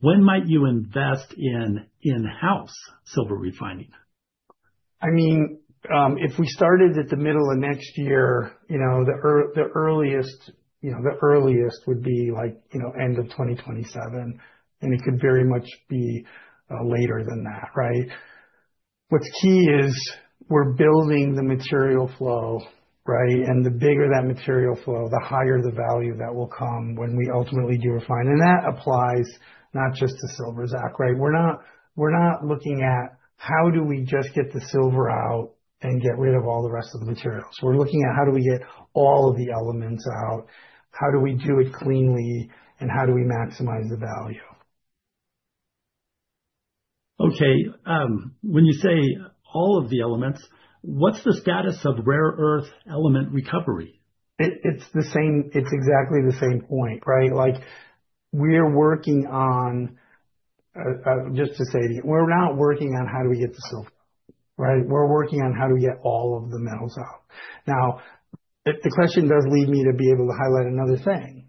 Speaker 1: When might you invest in in-house silver refining?
Speaker 3: I mean, if we started at the middle of next year, you know, the earliest, you know, the earliest would be like, you know, end of 2027, and it could very much be later than that, right? What's key is we're building the material flow, right, and the bigger that material flow, the higher the value that will come when we ultimately do refine, and that applies not just to silver, Zach, right? We're not looking at how do we just get the silver out and get rid of all the rest of the materials. We're looking at how do we get all of the elements out? How do we do it cleanly and how do we maximize the value?
Speaker 1: Okay. When you say all of the elements, what's the status of rare earth element recovery?
Speaker 3: It's the same. It's exactly the same point, right? Like we're working on, just to say, we're not working on how do we get the silver out, right? We're working on how do we get all of the metals out. Now, the question does lead me to be able to highlight another thing.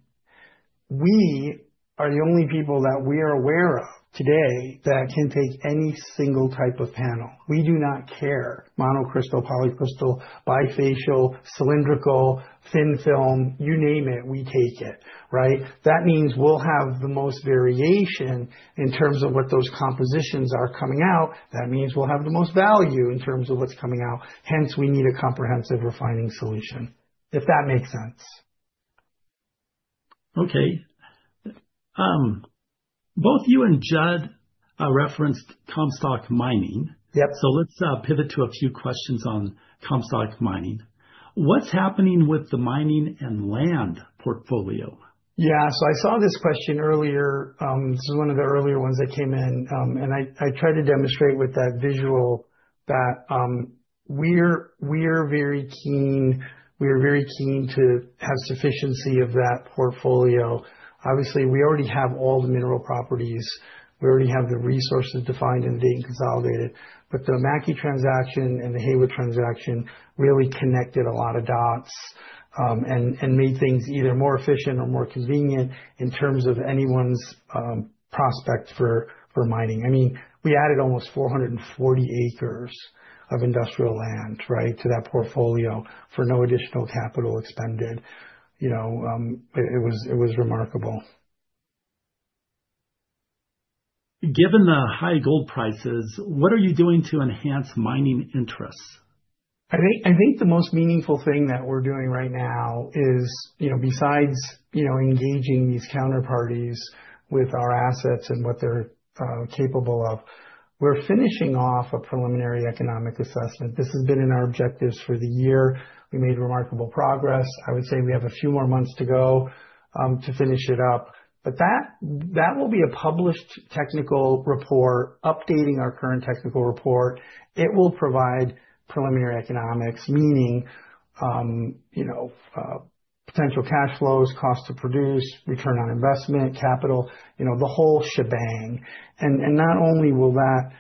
Speaker 3: We are the only people that we are aware of today that can take any single type of panel. We do not care monocrystal, polycrystal, bifacial, cylindrical, thin film, you name it, we take it, right? That means we'll have the most variation in terms of what those compositions are coming out. That means we'll have the most value in terms of what's coming out. Hence, we need a comprehensive refining solution, if that makes sense.
Speaker 1: Okay. Both you and Judd referenced Comstock Mining.
Speaker 3: Yep.
Speaker 1: So let's pivot to a few questions on Comstock Mining. What's happening with the mining and land portfolio?
Speaker 3: Yeah, so I saw this question earlier. This is one of the earlier ones that came in, and I tried to demonstrate with that visual that we're very keen. We're very keen to have sufficiency of that portfolio. Obviously, we already have all the mineral properties. We already have the resources defined and being consolidated. But the Mackie transaction and the Haywood transaction really connected a lot of dots and made things either more efficient or more convenient in terms of anyone's prospect for mining. I mean, we added almost 440 acres of industrial land, right, to that portfolio for no additional capital expended. You know, it was remarkable.
Speaker 1: Given the high gold prices, what are you doing to enhance mining interests?
Speaker 3: I think the most meaningful thing that we're doing right now is, you know, besides, you know, engaging these counterparties with our assets and what they're capable of, we're finishing off a preliminary economic assessment. This has been in our objectives for the year. We made remarkable progress. I would say we have a few more months to go to finish it up. But that will be a published technical report updating our current technical report. It will provide preliminary economics, meaning, you know, potential cash flows, cost to produce, return on investment, capital, you know, the whole shebang. And not only will that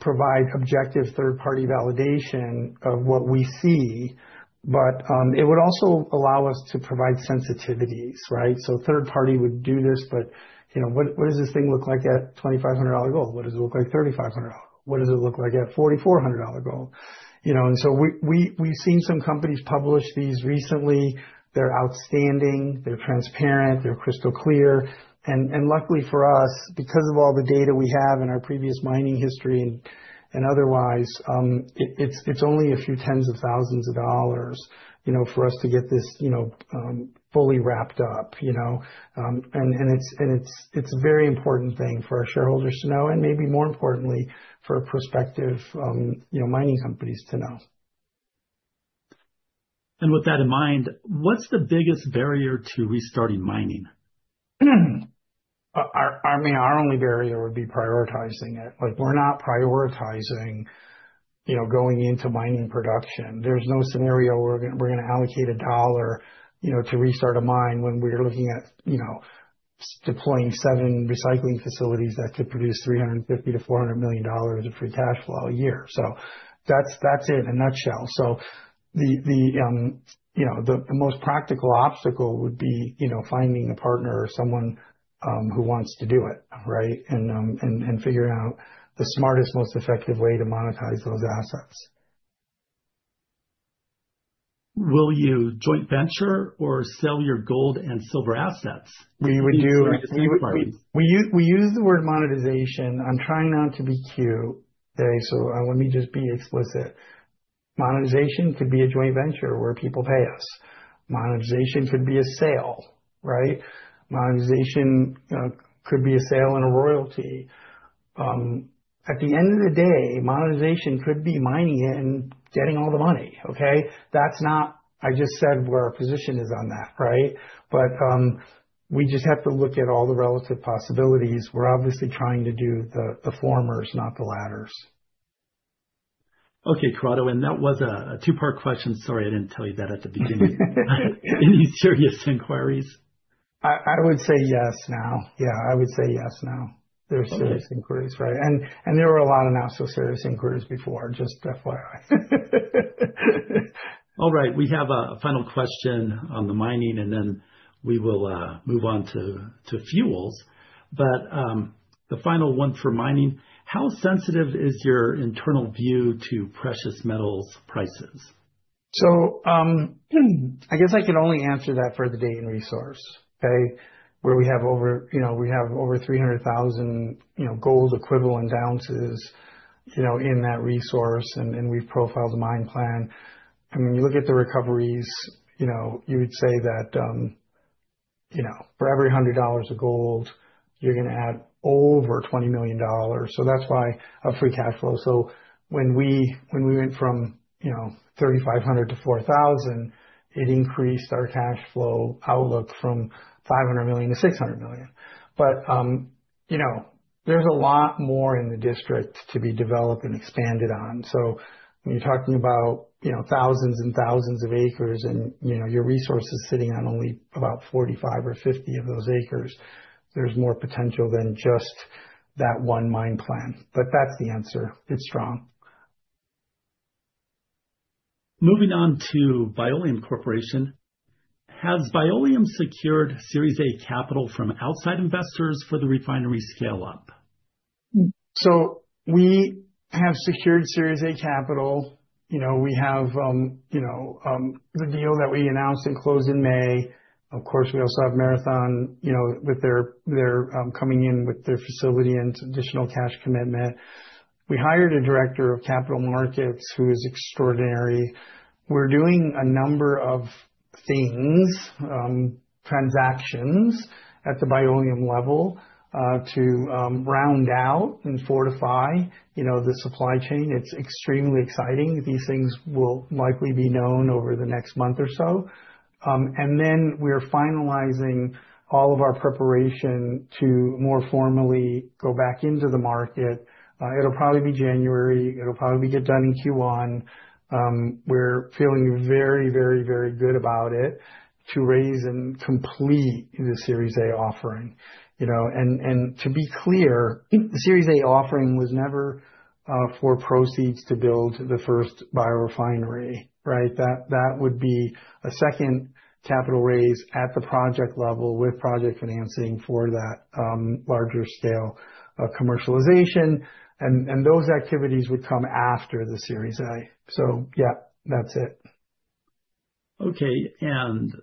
Speaker 3: provide objective third-party validation of what we see, but it would also allow us to provide sensitivities, right? So third party would do this, but you know, what does this thing look like at $2,500 gold? What does it look like at $3,500? What does it look like at $4,400 gold? You know, and so we've seen some companies publish these recently. They're outstanding. They're transparent. They're crystal clear, and luckily for us, because of all the data we have in our previous mining history and otherwise, it's only a few tens of thousands of dollars, you know, for us to get this, you know, fully wrapped up, you know, and it's a very important thing for our shareholders to know and maybe more importantly for prospective, you know, mining companies to know.
Speaker 1: And with that in mind, what's the biggest barrier to restarting mining?
Speaker 3: I mean, our only barrier would be prioritizing it. Like we're not prioritizing, you know, going into mining production. There's no scenario we're going to allocate a dollar, you know, to restart a mine when we're looking at, you know, deploying seven recycling facilities that could produce $350-$400 million of free cash flow a year. So that's it in a nutshell. So the, you know, the most practical obstacle would be, you know, finding a partner or someone who wants to do it, right? And figuring out the smartest, most effective way to monetize those assets.
Speaker 1: Will you joint venture or sell your gold and silver assets?
Speaker 3: We would do a few parts. We use the word monetization. I'm trying not to be cute. Okay. So let me just be explicit. Monetization could be a joint venture where people pay us. Monetization could be a sale, right? Monetization could be a sale and a royalty. At the end of the day, monetization could be mining it and getting all the money, okay? That's not, I just said where our position is on that, right? But we just have to look at all the relative possibilities. We're obviously trying to do the formers, not the latters.
Speaker 1: Okay, Corrado, and that was a two-part question. Sorry, I didn't tell you that at the beginning. Any serious inquiries?
Speaker 3: I would say yes now. Yeah, I would say yes now.
Speaker 1: There's serious inquiries, right?
Speaker 3: And there were a lot of not so serious inquiries before, just FYI.
Speaker 1: All right. We have a final question on the mining, and then we will move on to fuels. But the final one for mining, how sensitive is your internal view to precious metals prices?
Speaker 3: So I guess I can only answer that for the Dayton resource, okay? Where we have over, you know, we have over 300,000, you know, gold equivalent ounces, you know, in that resource, and we've profiled the mine plan, and when you look at the recoveries, you know, you would say that, you know, for every $100 of gold, you're going to add over $20 million. So that's why a free cash flow. So when we went from, you know, 3,500 to 4,000, it increased our cash flow outlook from $500 million to $600 million, but, you know, there's a lot more in the district to be developed and expanded on. So when you're talking about, you know, thousands and thousands of acres and, you know, your resources sitting on only about 45 or 50 of those acres, there's more potential than just that one mine plan, but that's the answer. It's strong.
Speaker 1: Moving on to Biolume Corporation. Has Biolume secured Series A capital from outside investors for the refinery scale-up?
Speaker 3: So we have secured Series A capital. You know, we have, you know, the deal that we announced and closed in May. Of course, we also have Marathon, you know, with their coming in with their facility and additional cash commitment. We hired a director of capital markets who is extraordinary. We're doing a number of things, transactions at the Biolume level to round out and fortify, you know, the supply chain. It's extremely exciting. These things will likely be known over the next month or so. And then we're finalizing all of our preparation to more formally go back into the market. It'll probably be January. It'll probably be done in Q1. We're feeling very, very, very good about it to raise and complete the Series A offering, you know. To be clear, the Series A offering was never for proceeds to build the first bio refinery, right? That would be a second capital raise at the project level with project financing for that larger scale of commercialization. Those activities would come after the Series A. So yeah, that's it.
Speaker 1: Okay.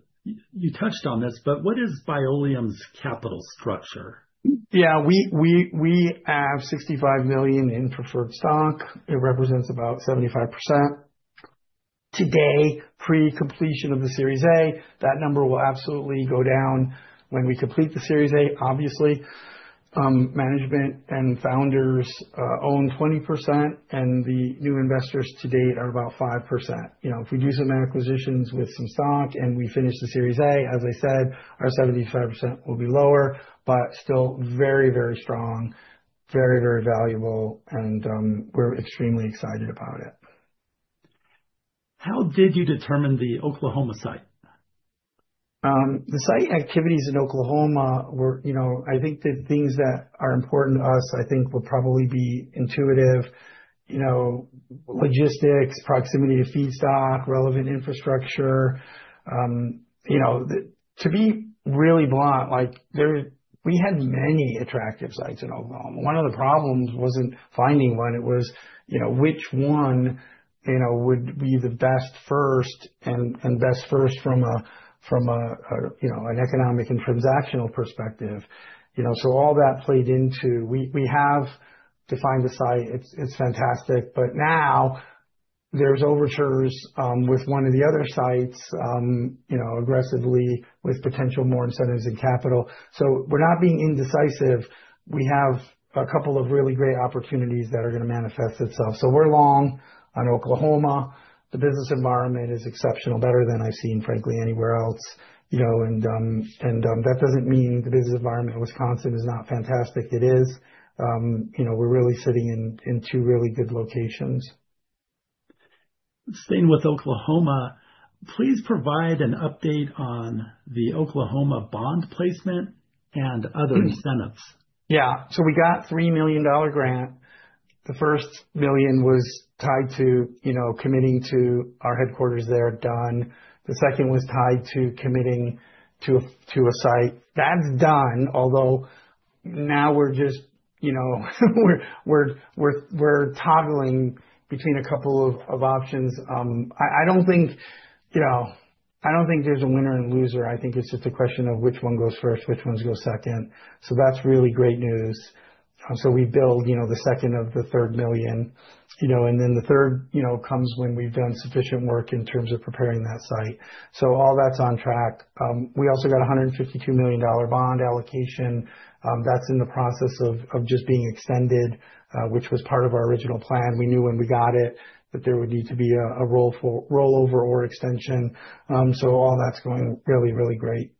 Speaker 1: You touched on this, but what is Biolume's capital structure?
Speaker 3: Yeah, we have $65 million in preferred stock. It represents about 75%. Today, pre-completion of the Series A, that number will absolutely go down when we complete the Series A, obviously. Management and founders own 20%, and the new investors to date are about 5%. You know, if we do some acquisitions with some stock and we finish the Series A, as I said, our 75% will be lower, but still very, very strong, very, very valuable, and we're extremely excited about it.
Speaker 1: How did you determine the Oklahoma site?
Speaker 3: The site activities in Oklahoma were, you know, I think the things that are important to us. I think will probably be intuitive, you know, logistics, proximity to feedstock, relevant infrastructure. You know, to be really blunt, like we had many attractive sites in Oklahoma. One of the problems wasn't finding one. It was, you know, which one, you know, would be the best first and best first from a, you know, an economic and transactional perspective. You know, so all that played into we have defined the site. It's fantastic. But now there's overtures with one of the other sites, you know, aggressively with potential more incentives and capital. So we're not being indecisive. We have a couple of really great opportunities that are going to manifest itself. So we're long on Oklahoma. The business environment is exceptional, better than I've seen, frankly, anywhere else, you know. That doesn't mean the business environment in Wisconsin is not fantastic. It is. You know, we're really sitting in two really good locations.
Speaker 1: Staying with Oklahoma, please provide an update on the Oklahoma bond placement and other incentives.
Speaker 3: Yeah. So we got a $3 million grant. The first million was tied to, you know, committing to our headquarters there, done. The second was tied to committing to a site. That's done, although now we're just, you know, we're toggling between a couple of options. I don't think, you know, I don't think there's a winner and loser. I think it's just a question of which one goes first, which ones go second. So that's really great news. So we build, you know, the second of the third million, you know, and then the third, you know, comes when we've done sufficient work in terms of preparing that site. So all that's on track. We also got a $152 million bond allocation. That's in the process of just being extended, which was part of our original plan. We knew when we got it that there would need to be a rollover or extension. So all that's going really, really great.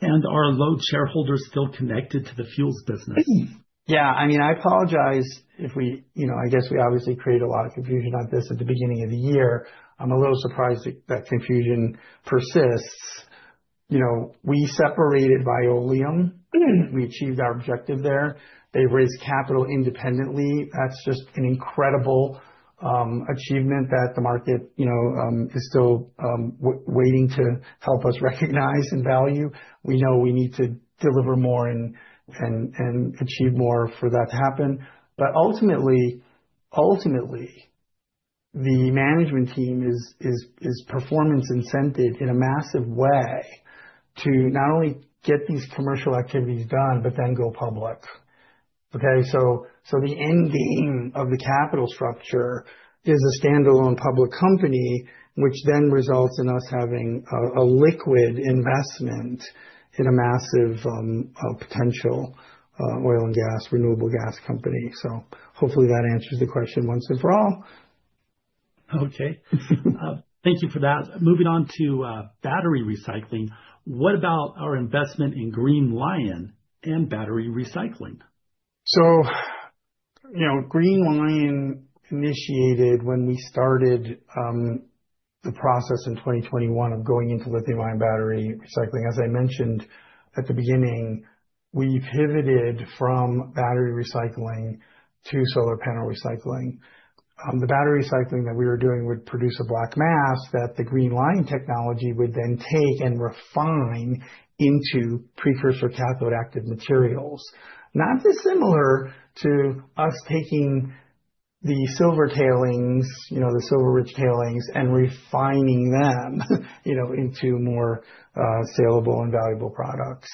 Speaker 1: And are LODE shareholders still connected to the fuels business?
Speaker 3: Yeah. I mean, I apologize if we, you know, I guess we obviously created a lot of confusion on this at the beginning of the year. I'm a little surprised that confusion persists. You know, we separated Biolume. We achieved our objective there. They raised capital independently. That's just an incredible achievement that the market, you know, is still waiting to help us recognize and value. We know we need to deliver more and achieve more for that to happen. But ultimately, ultimately, the management team is performance incented in a massive way to not only get these commercial activities done, but then go public. Okay. So the end game of the capital structure is a standalone public company, which then results in us having a liquid investment in a massive potential oil and gas, renewable gas company. So hopefully that answers the question once and for all.
Speaker 1: Okay. Thank you for that. Moving on to battery recycling. What about our investment in Green Li-ion and battery recycling?
Speaker 3: So, you know, Green Li-ion initiated when we started the process in 2021 of going into lithium-ion battery recycling. As I mentioned at the beginning, we pivoted from battery recycling to solar panel recycling. The battery recycling that we were doing would produce a black mass that the Green Li-ion technology would then take and refine into precursor for cathode-active materials. Not dissimilar to us taking the silver tailings, you know, the silver-rich tailings and refining them, you know, into more salable and valuable products.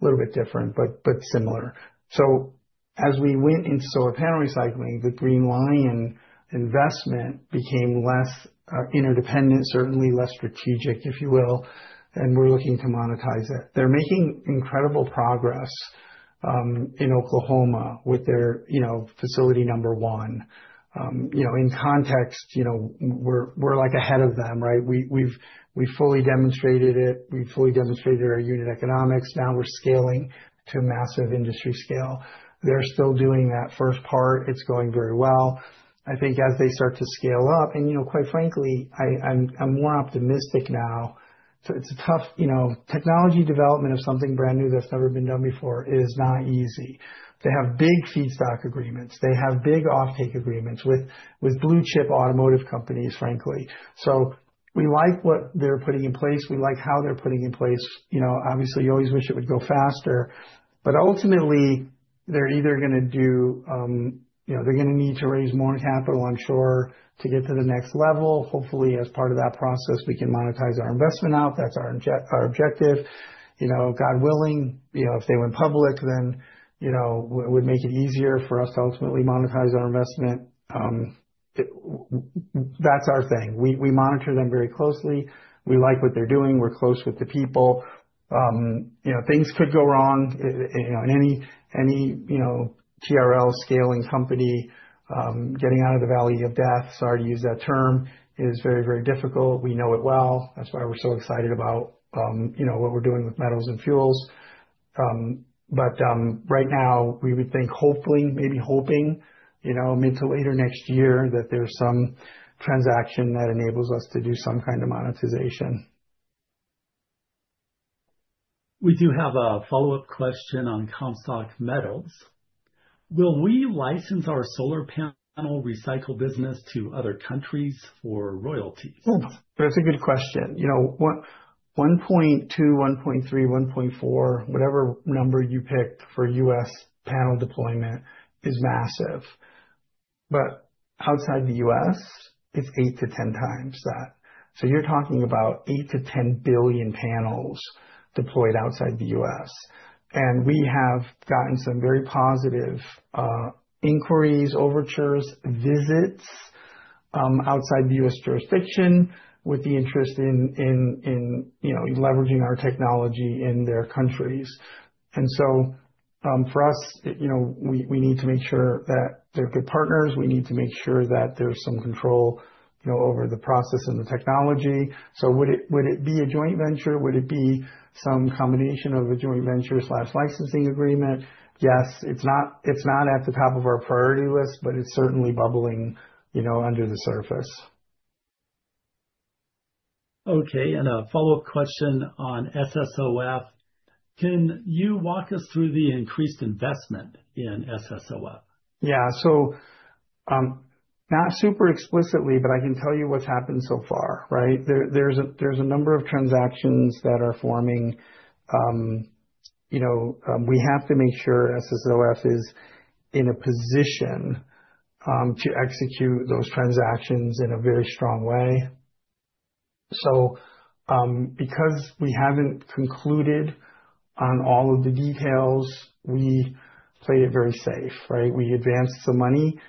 Speaker 3: A little bit different, but similar. So as we went into solar panel recycling, the Green Li-ion investment became less interdependent, certainly less strategic, if you will. And we're looking to monetize it. They're making incredible progress in Oklahoma with their, you know, facility number one. You know, in context, you know, we're like ahead of them, right? We've fully demonstrated it. We've fully demonstrated our unit economics. Now we're scaling to massive industry scale. They're still doing that first part. It's going very well. I think as they start to scale up, and you know, quite frankly, I'm more optimistic now. It's a tough, you know, technology development of something brand new that's never been done before is not easy. They have big feedstock agreements. They have big offtake agreements with blue chip automotive companies, frankly. So we like what they're putting in place. We like how they're putting in place. You know, obviously, you always wish it would go faster. But ultimately, they're either going to do, you know, they're going to need to raise more capital, I'm sure, to get to the next level. Hopefully, as part of that process, we can monetize our investment out. That's our objective. You know, God willing, you know, if they went public, then, you know, it would make it easier for us to ultimately monetize our investment. That's our thing. We monitor them very closely. We like what they're doing. We're close with the people. You know, things could go wrong, you know, in any, you know, TRL scaling company, getting out of the valley of death, sorry to use that term, is very, very difficult. We know it well. That's why we're so excited about, you know, what we're doing with metals and fuels. But right now, we would think, hopefully, maybe hoping, you know, mid to later next year that there's some transaction that enables us to do some kind of monetization.
Speaker 1: We do have a follow-up question on Comstock Metals. Will we license our solar panel recycle business to other countries for royalties?
Speaker 3: That's a good question. You know, 1.2, 1.3, 1.4, whatever number you picked for U.S. panel deployment is massive. But outside the U.S., it's 8-10 times that. So you're talking about eight to 10 billion panels deployed outside the U.S. And we have gotten some very positive inquiries, overtures, visits outside the U.S. jurisdiction with the interest in, you know, leveraging our technology in their countries. And so for us, you know, we need to make sure that they're good partners. We need to make sure that there's some control, you know, over the process and the technology. So would it be a joint venture? Would it be some combination of a joint venture slash licensing agreement? Yes, it's not at the top of our priority list, but it's certainly bubbling, you know, under the surface.
Speaker 1: Okay. And a follow-up question on SSOF. Can you walk us through the increased investment in SSOF?
Speaker 3: Yeah. So not super explicitly, but I can tell you what's happened so far, right? There's a number of transactions that are forming. You know, we have to make sure SSOF is in a position to execute those transactions in a very strong way, so because we haven't concluded on all of the details, we played it very safe, right? We advanced some money.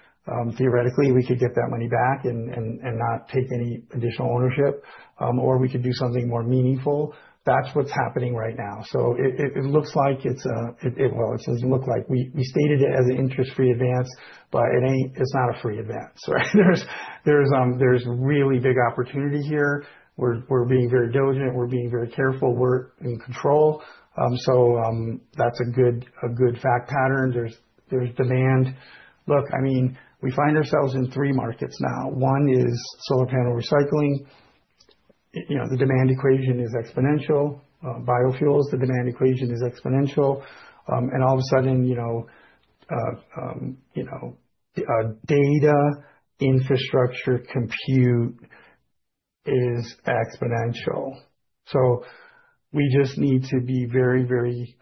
Speaker 3: Theoretically, we could get that money back and not take any additional ownership, or we could do something more meaningful. That's what's happening right now, so it looks like it's a, well, it doesn't look like we stated it as an interest-free advance, but it's not a free advance, right? There's really big opportunity here. We're being very diligent. We're being very careful. We're in control, so that's a good fact pattern. There's demand. Look, I mean, we find ourselves in three markets now. One is solar panel recycling. You know, the demand equation is exponential. Biofuels, the demand equation is exponential. And all of a sudden, you know, you know, data infrastructure compute is exponential. So we just need to be very, very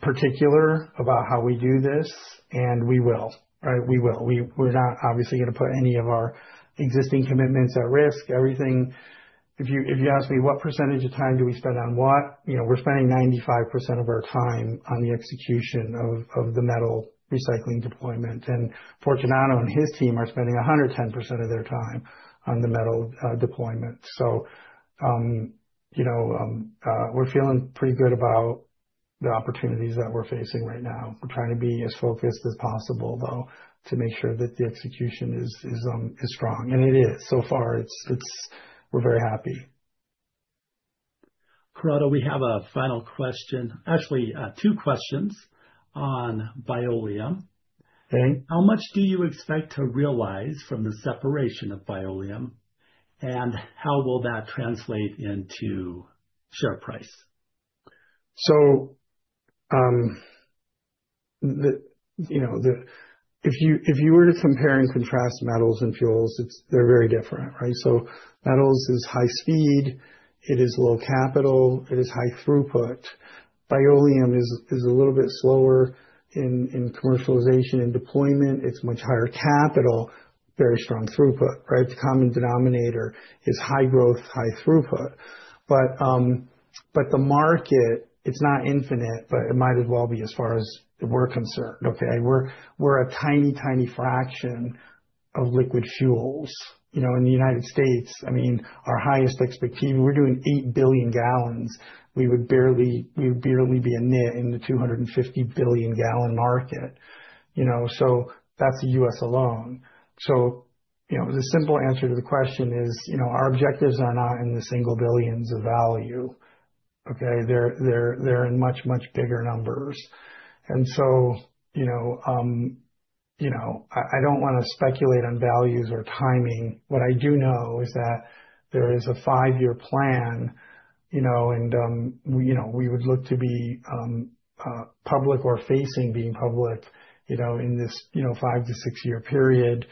Speaker 3: particular about how we do this. And we will, right? We will. We're not obviously going to put any of our existing commitments at risk. Everything, if you ask me what percentage of time do we spend on what, you know, we're spending 95% of our time on the execution of the metal recycling deployment. And Fortunato and his team are spending 110% of their time on the metal deployment. So, you know, we're feeling pretty good about the opportunities that we're facing right now. We're trying to be as focused as possible, though, to make sure that the execution is strong. And it is so far. We're very happy.
Speaker 1: Corrado, we have a final question. Actually, two questions on Biolume. How much do you expect to realize from the separation of Biolume? And how will that translate into share price?
Speaker 3: You know, if you were to compare and contrast metals and fuels, they're very different, right? Metals is high speed. It is low capital. It is high throughput. Biolume is a little bit slower in commercialization and deployment. It's much higher capital, very strong throughput, right? The common denominator is high growth, high throughput. But the market, it's not infinite, but it might as well be as far as we're concerned. Okay. We're a tiny, tiny fraction of liquid fuels. You know, in the United States, I mean, our highest expectation, we're doing 8 billion gallons. We would barely be a blip in the 250 billion gallon market. You know, so that's the U.S. alone. You know, the simple answer to the question is, you know, our objectives are not in the single billions of value. Okay. They're in much, much bigger numbers, and so, you know, you know, I don't want to speculate on values or timing. What I do know is that there is a five-year plan, you know, and, you know, we would look to be public or facing being public, you know, in this, you know, five- to six-year period.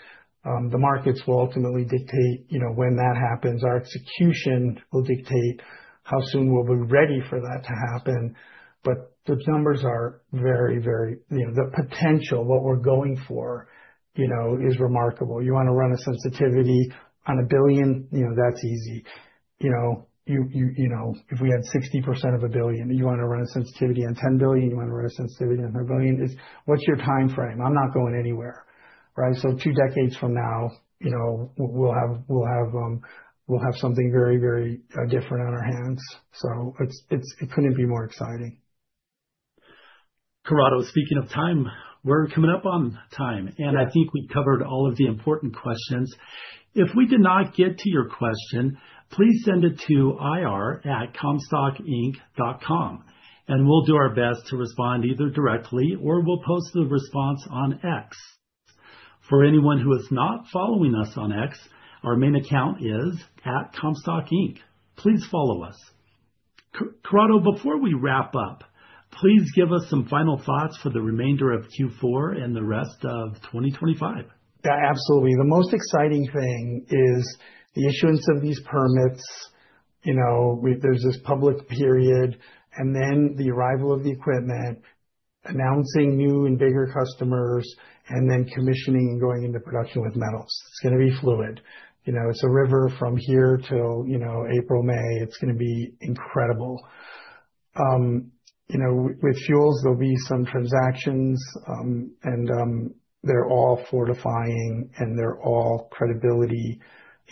Speaker 3: The markets will ultimately dictate, you know, when that happens. Our execution will dictate how soon we'll be ready for that to happen, but the numbers are very, very, you know, the potential, what we're going for, you know, is remarkable. You want to run a sensitivity on a billion, you know, that's easy. You know, you know, if we had 60% of a billion, you want to run a sensitivity on 10 billion, you want to run a sensitivity on 100 billion. What's your time frame? I'm not going anywhere, right? So two decades from now, you know, we'll have something very, very different on our hands. So it couldn't be more exciting.
Speaker 1: Corrado, speaking of time, we're coming up on time. And I think we covered all of the important questions. If we did not get to your question, please send it to ir@comstockinc.com. And we'll do our best to respond either directly or we'll post the response on X. For anyone who is not following us on X, our main account is @comstockinc. Please follow us. Corrado, before we wrap up, please give us some final thoughts for the remainder of Q4 and the rest of 2025.
Speaker 3: Yeah, absolutely. The most exciting thing is the issuance of these permits. You know, there's this public period and then the arrival of the equipment, announcing new and bigger customers and then commissioning and going into production with metals. It's going to be fluid. You know, it's a river from here till, you know, April, May. It's going to be incredible. You know, with fuels, there'll be some transactions and they're all fortifying and they're all credibility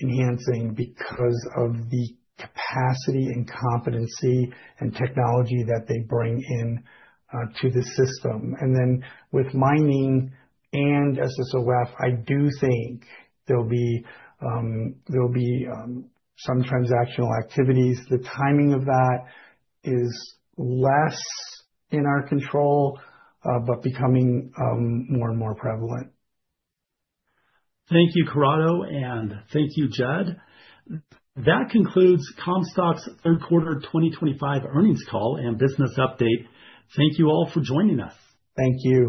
Speaker 3: enhancing because of the capacity and competency and technology that they bring in to the system. And then with mining and SSOF, I do think there'll be some transactional activities. The timing of that is less in our control, but becoming more and more prevalent.
Speaker 1: Thank you, Corrado, and thank you, Judd. That concludes Comstock's third quarter 2025 earnings call and business update. Thank you all for joining us.
Speaker 3: Thank you.